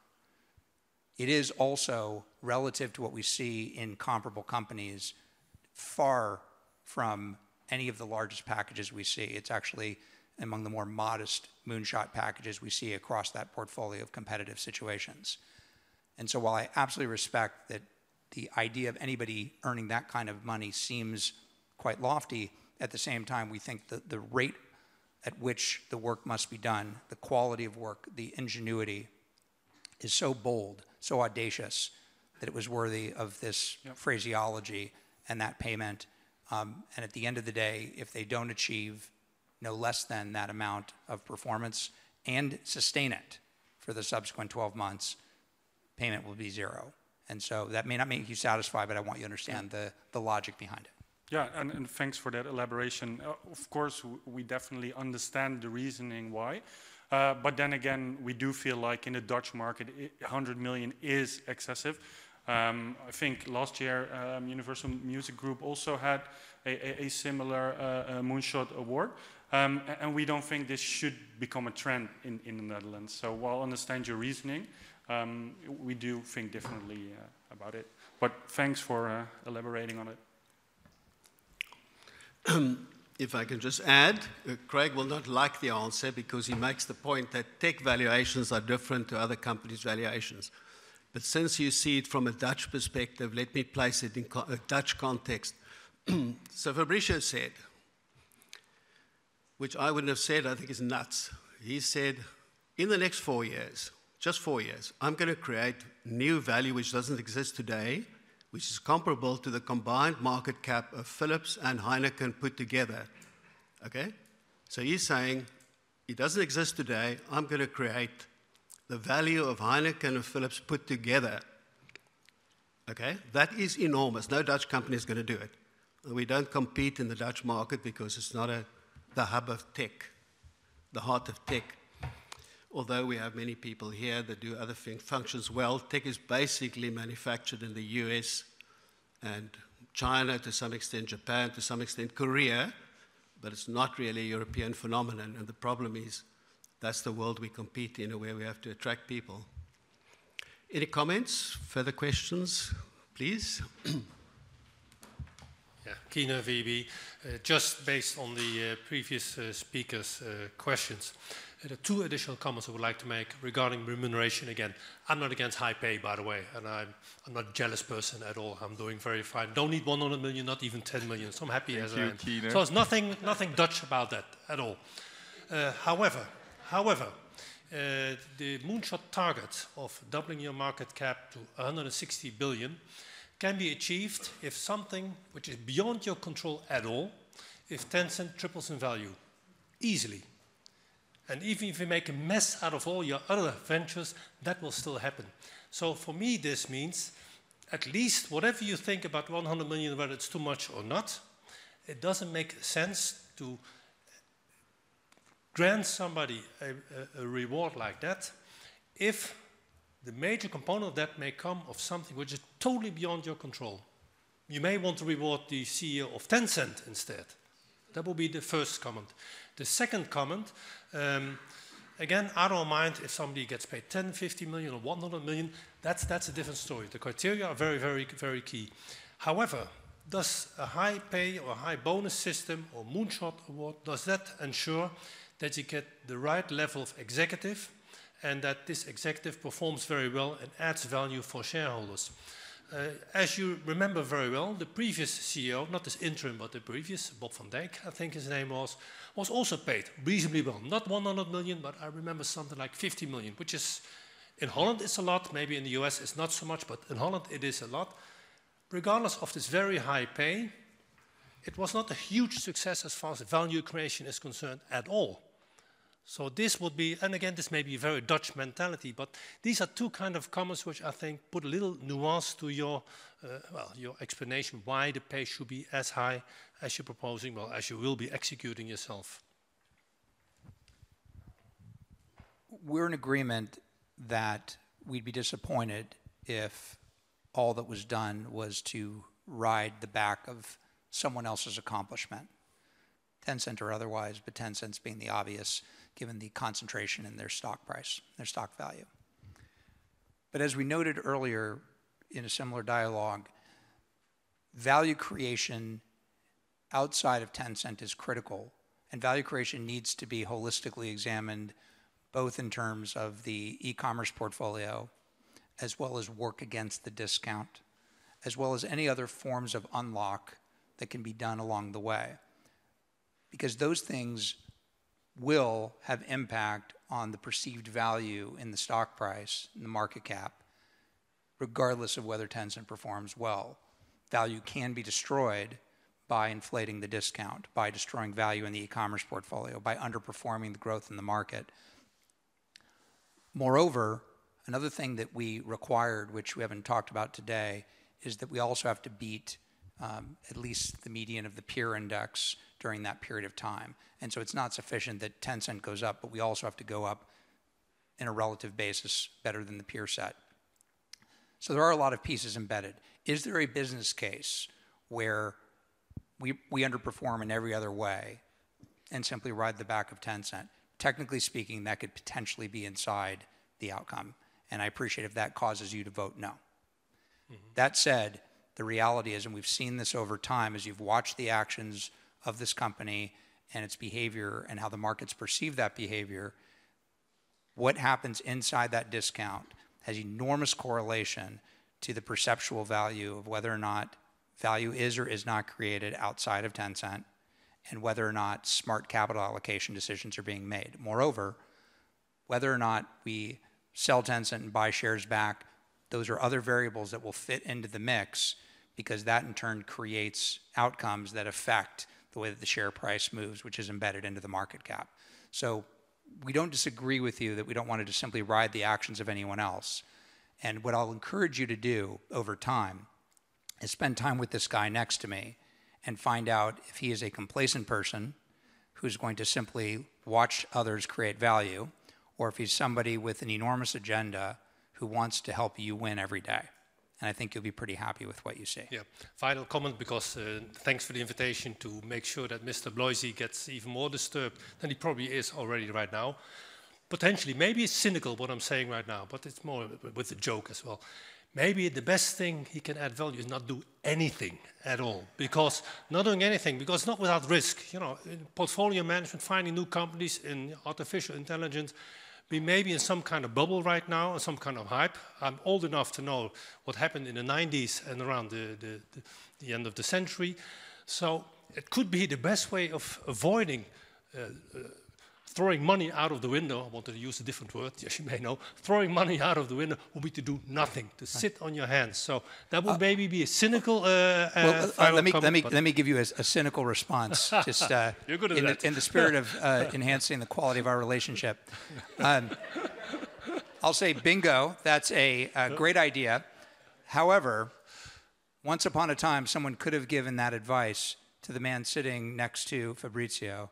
it is also relative to what we see in comparable companies, far from any of the largest packages we see. It's actually among the more modest Moonshot packages we see across that portfolio of competitive situations. And so while I absolutely respect that the idea of anybody earning that kind of money seems quite lofty, at the same time, we think that the rate at which the work must be done, the quality of work, the ingenuity, is so bold, so audacious, that it was worthy of this- Phraseology and that payment, and at the end of the day, if they don't achieve no less than that amount of performance and sustain it for the subsequent twelve months, payment will be zero, and so that may not make you satisfied, but I want you to understand the logic behind it. And thanks for that elaboration. Of course, we definitely understand the reasoning why, but then again, we do feel like in the Dutch market, a hundred million is excessive. I think last year, Universal Music Group also had a similar Moonshot Award, and we don't think this should become a trend in the Netherlands. So while I understand your reasoning, we do think differently about it, but thanks for elaborating on it. If I can just add, Craig will not like the answer because he makes the point that tech valuations are different to other companies' valuations. But since you see it from a Dutch perspective, let me place it in a Dutch context. So Fabricio said, which I wouldn't have said, I think it's nuts. He said, "In the next four years, just four years, I'm gonna create new value, which doesn't exist today, which is comparable to the combined market cap of Philips and Heineken put together." Okay? So he's saying it doesn't exist today, I'm gonna create the value of Heineken and Philips put together. Okay? That is enormous. No Dutch company is gonna do it, and we don't compete in the Dutch market because it's not a, the hub of tech, the heart of tech. Although we have many people here that do other things, functions well, tech is basically manufactured in the U.S. and China, to some extent Japan, to some extent Korea, but it's not really a European phenomenon, and the problem is, that's the world we compete in, where we have to attract people. Any comments? Further questions, please. Keyner, VEB. Just based on the previous speakers' questions, there are two additional comments I would like to make regarding remuneration again. I'm not against high pay, by the way, and I'm not a jealous person at all. I'm doing very fine. Don't need 100 million, not even 10 million, so I'm happy as I am. Thank you, Keyner. There's nothing Dutch about that at all. However, the Moonshot target of doubling your market cap to 160 billion can be achieved if something which is beyond your control at all, if Tencent triples in value, easily. And even if you make a mess out of all your other ventures, that will still happen. So for me, this means at least whatever you think about 100 million, whether it's too much or not, it doesn't make sense to grant somebody a reward like that if the major component of that may come of something which is totally beyond your control. You may want to reward the CEO of Tencent instead. That would be the first comment. The second comment, again, I don't mind if somebody gets paid 10, 50 million or 100 million. That's, that's a different story. The criteria are very, very, very key. However, does a high pay or high bonus system or Moonshot Award, does that ensure that you get the right level of executive and that this executive performs very well and adds value for shareholders? As you remember very well, the previous CEO, not this interim, but the previous, Bob van Dijk, I think his name was, was also paid reasonably well. Not one hundred million, but I remember something like fifty million, which is, in Holland, it's a lot. Maybe in the U.S. it's not so much, but in Holland it is a lot. Regardless of this very high pay, it was not a huge success as far as value creation is concerned at all. So this would be, and again, this may be a very Dutch mentality, but these are two kind of comments which I think put a little nuance to your, well, your explanation why the pay should be as high as you're proposing, well, as you will be executing yourself. We're in agreement that we'd be disappointed if all that was done was to ride the back of someone else's accomplishment, Tencent or otherwise, but Tencent's being the obvious, given the concentration in their stock price, their stock value. But as we noted earlier in a similar dialogue, value creation outside of Tencent is critical, and value creation needs to be holistically examined, both in terms of the e-commerce portfolio, as well as work against the discount, as well as any other forms of unlock that can be done along the way. Because those things will have impact on the perceived value in the stock price, in the market cap, regardless of whether Tencent performs well. Value can be destroyed by inflating the discount, by destroying value in the e-commerce portfolio, by underperforming the growth in the market. Moreover, another thing that we required, which we haven't talked about today, is that we also have to beat at least the median of the peer index during that period of time. And so it's not sufficient that Tencent goes up, but we also have to go up in a relative basis better than the peer set. So there are a lot of pieces embedded. Is there a business case where we underperform in every other way and simply ride the back of Tencent? Technically speaking, that could potentially be inside the outcome, and I appreciate if that causes you to vote no. That said, the reality is, and we've seen this over time, as you've watched the actions of this company and its behavior and how the markets perceive that behavior, what happens inside that discount has enormous correlation to the perceptual value of whether or not value is or is not created outside of Tencent, and whether or not smart capital allocation decisions are being made. Moreover, whether or not we sell Tencent and buy shares back, those are other variables that will fit into the mix, because that in turn creates outcomes that affect the way that the share price moves, which is embedded into the market cap. So we don't disagree with you that we don't want to just simply ride the actions of anyone else, and what I'll encourage you to do over time is spend time with this guy next to me and find out if he is a complacent person who's going to simply watch others create value, or if he's somebody with an enormous agenda who wants to help you win every day. And I think you'll be pretty happy with what you see. Final comment, because thanks for the invitation to make sure that Mr. Bloisi gets even more disturbed than he probably is already right now. Potentially, maybe it's cynical what I'm saying right now, but it's more with a joke as well. Maybe the best thing he can add value is not do anything at all. Because not doing anything, because it's not without risk. You know, in portfolio management, finding new companies in artificial intelligence, we may be in some kind of bubble right now or some kind of hype. I'm old enough to know what happened in the nineties and around the end of the century. So it could be the best way of avoiding throwing money out of the window. I wanted to use a different word, as you may know. Throwing money out of the window would be to do nothing- To sit on your hands. So that would maybe be a cynical final comment. Let me give you a cynical response. You're good at that. Just in the spirit of enhancing the quality of our relationship. I'll say bingo, that's a great idea. However, once upon a time, someone could have given that advice to the man sitting next to Fabricio,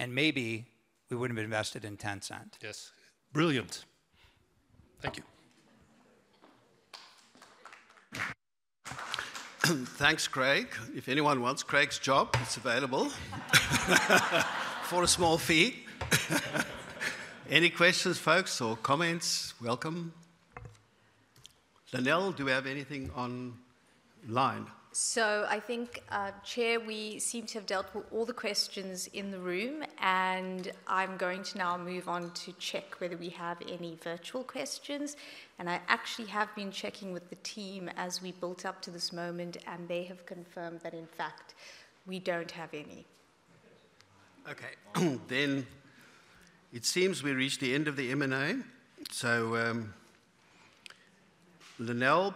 and maybe we wouldn't have invested in Tencent. Yes. Brilliant. Thank you. Thanks, Craig. If anyone wants Craig's job, it's available... for a small fee. Any questions, folks, or comments? Welcome. Lynelle, do we have anything online? So I think, Chair, we seem to have dealt with all the questions in the room, and I'm going to now move on to check whether we have any virtual questions. And I actually have been checking with the team as we built up to this moment, and they have confirmed that, in fact, we don't have any. Okay. Then it seems we've reached the end of the M&A. So, Lynelle,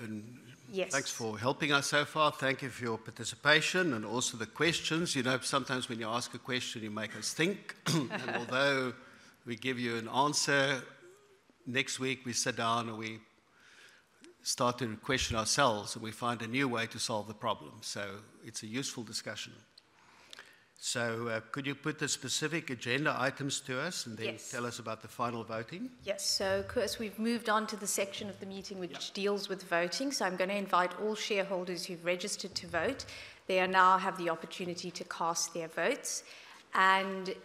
and- Thanks for helping us so far. Thank you for your participation and also the questions. You know, sometimes when you ask a question, you make us think. And although we give you an answer, next week we sit down and we start to question ourselves, and we find a new way to solve the problem, so it's a useful discussion. So, could you put the specific agenda items to us- And then tell us about the final voting? Yes, so, of course, we've moved on to the section of the meeting which- Deals with voting. I'm gonna invite all shareholders who've registered to vote. They now have the opportunity to cast their votes.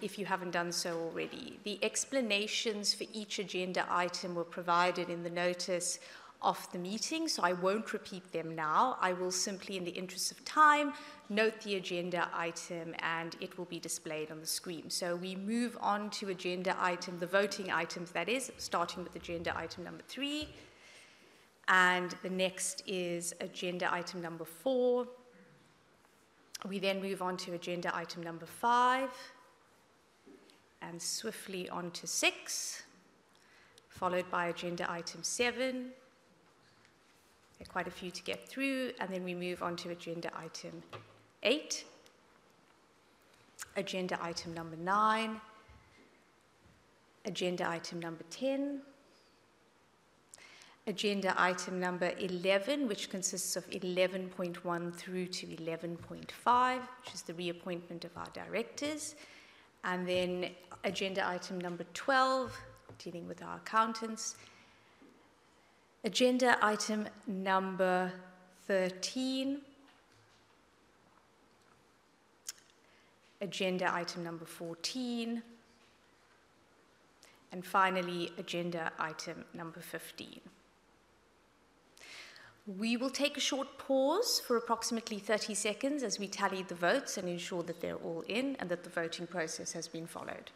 If you haven't done so already, the explanations for each agenda item were provided in the notice of the meeting, so I won't repeat them now. I will simply, in the interest of time, note the agenda item, and it will be displayed on the screen. We move on to agenda item, the voting items that is, starting with agenda item number three, and the next is agenda item number four. We then move on to agenda item number five, and swiftly on to six, followed by agenda item seven. There are quite a few to get through, and then we move on to agenda item eight, agenda item number nine, agenda item number ten, agenda item number eleven, which consists of eleven point one through to eleven point five, which is the reappointment of our directors, and then agenda item number twelve, dealing with our accountants, agenda item number thirteen, agenda item number fourteen, and finally, agenda item number fifteen. We will take a short pause for approximately thirty seconds as we tally the votes and ensure that they're all in and that the voting process has been followed.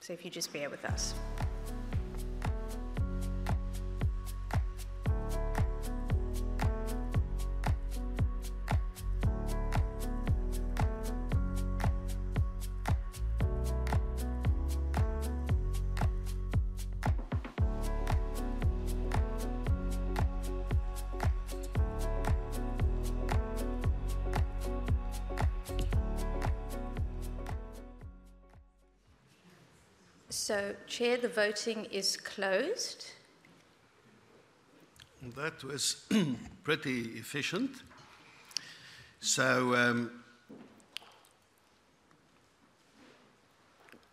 So if you just bear with us. So Chair, the voting is closed. That was pretty efficient. So,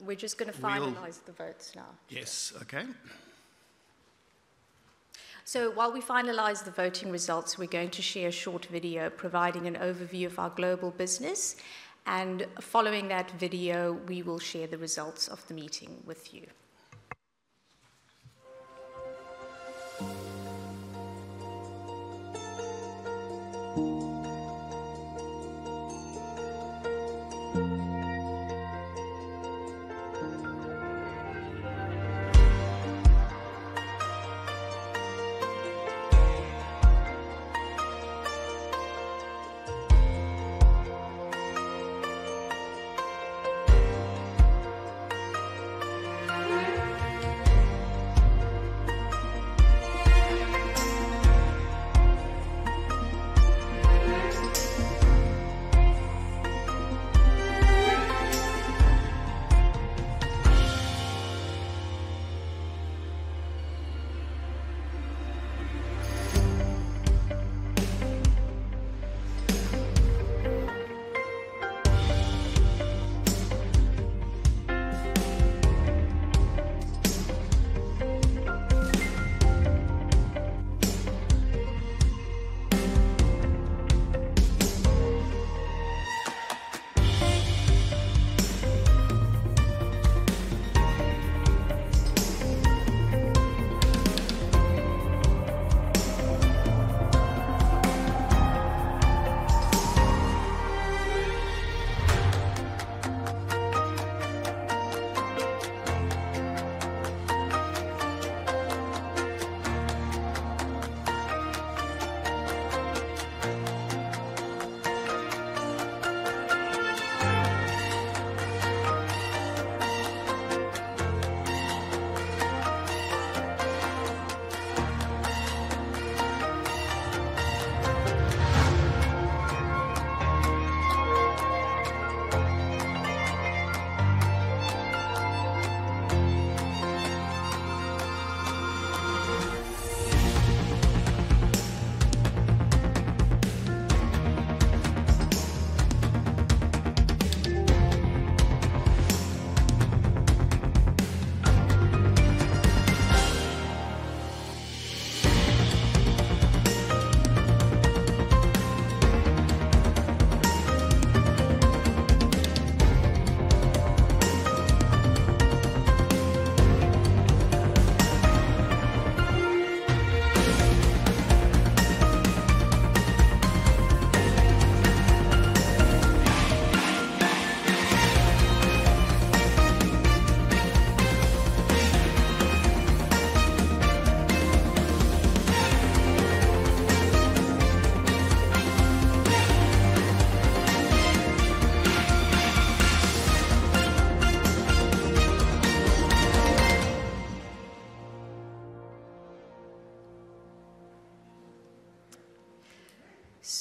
We're just gonna- We'll- Finalize the votes now. Yes, okay. So while we finalize the voting results, we're going to share a short video providing an overview of our global business, and following that video, we will share the results of the meeting with you.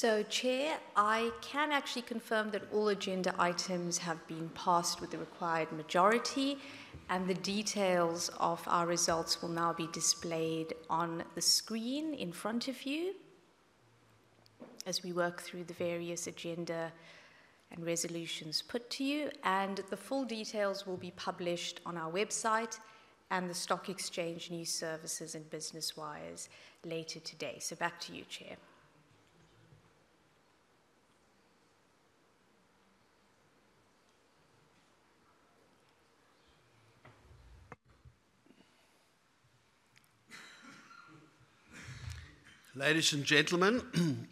So, Chair, I can actually confirm that all agenda items have been passed with the required majority, and the details of our results will now be displayed on the screen in front of you as we work through the various agenda and resolutions put to you, and the full details will be published on our website and the stock exchange news services and business wires later today. So back to you, Chair. Ladies and gentlemen,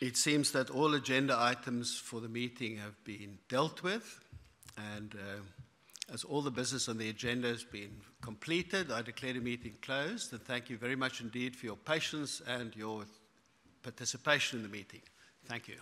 it seems that all agenda items for the meeting have been dealt with, and, as all the business on the agenda has been completed, I declare the meeting closed, and thank you very much indeed for your patience and your participation in the meeting. Thank you.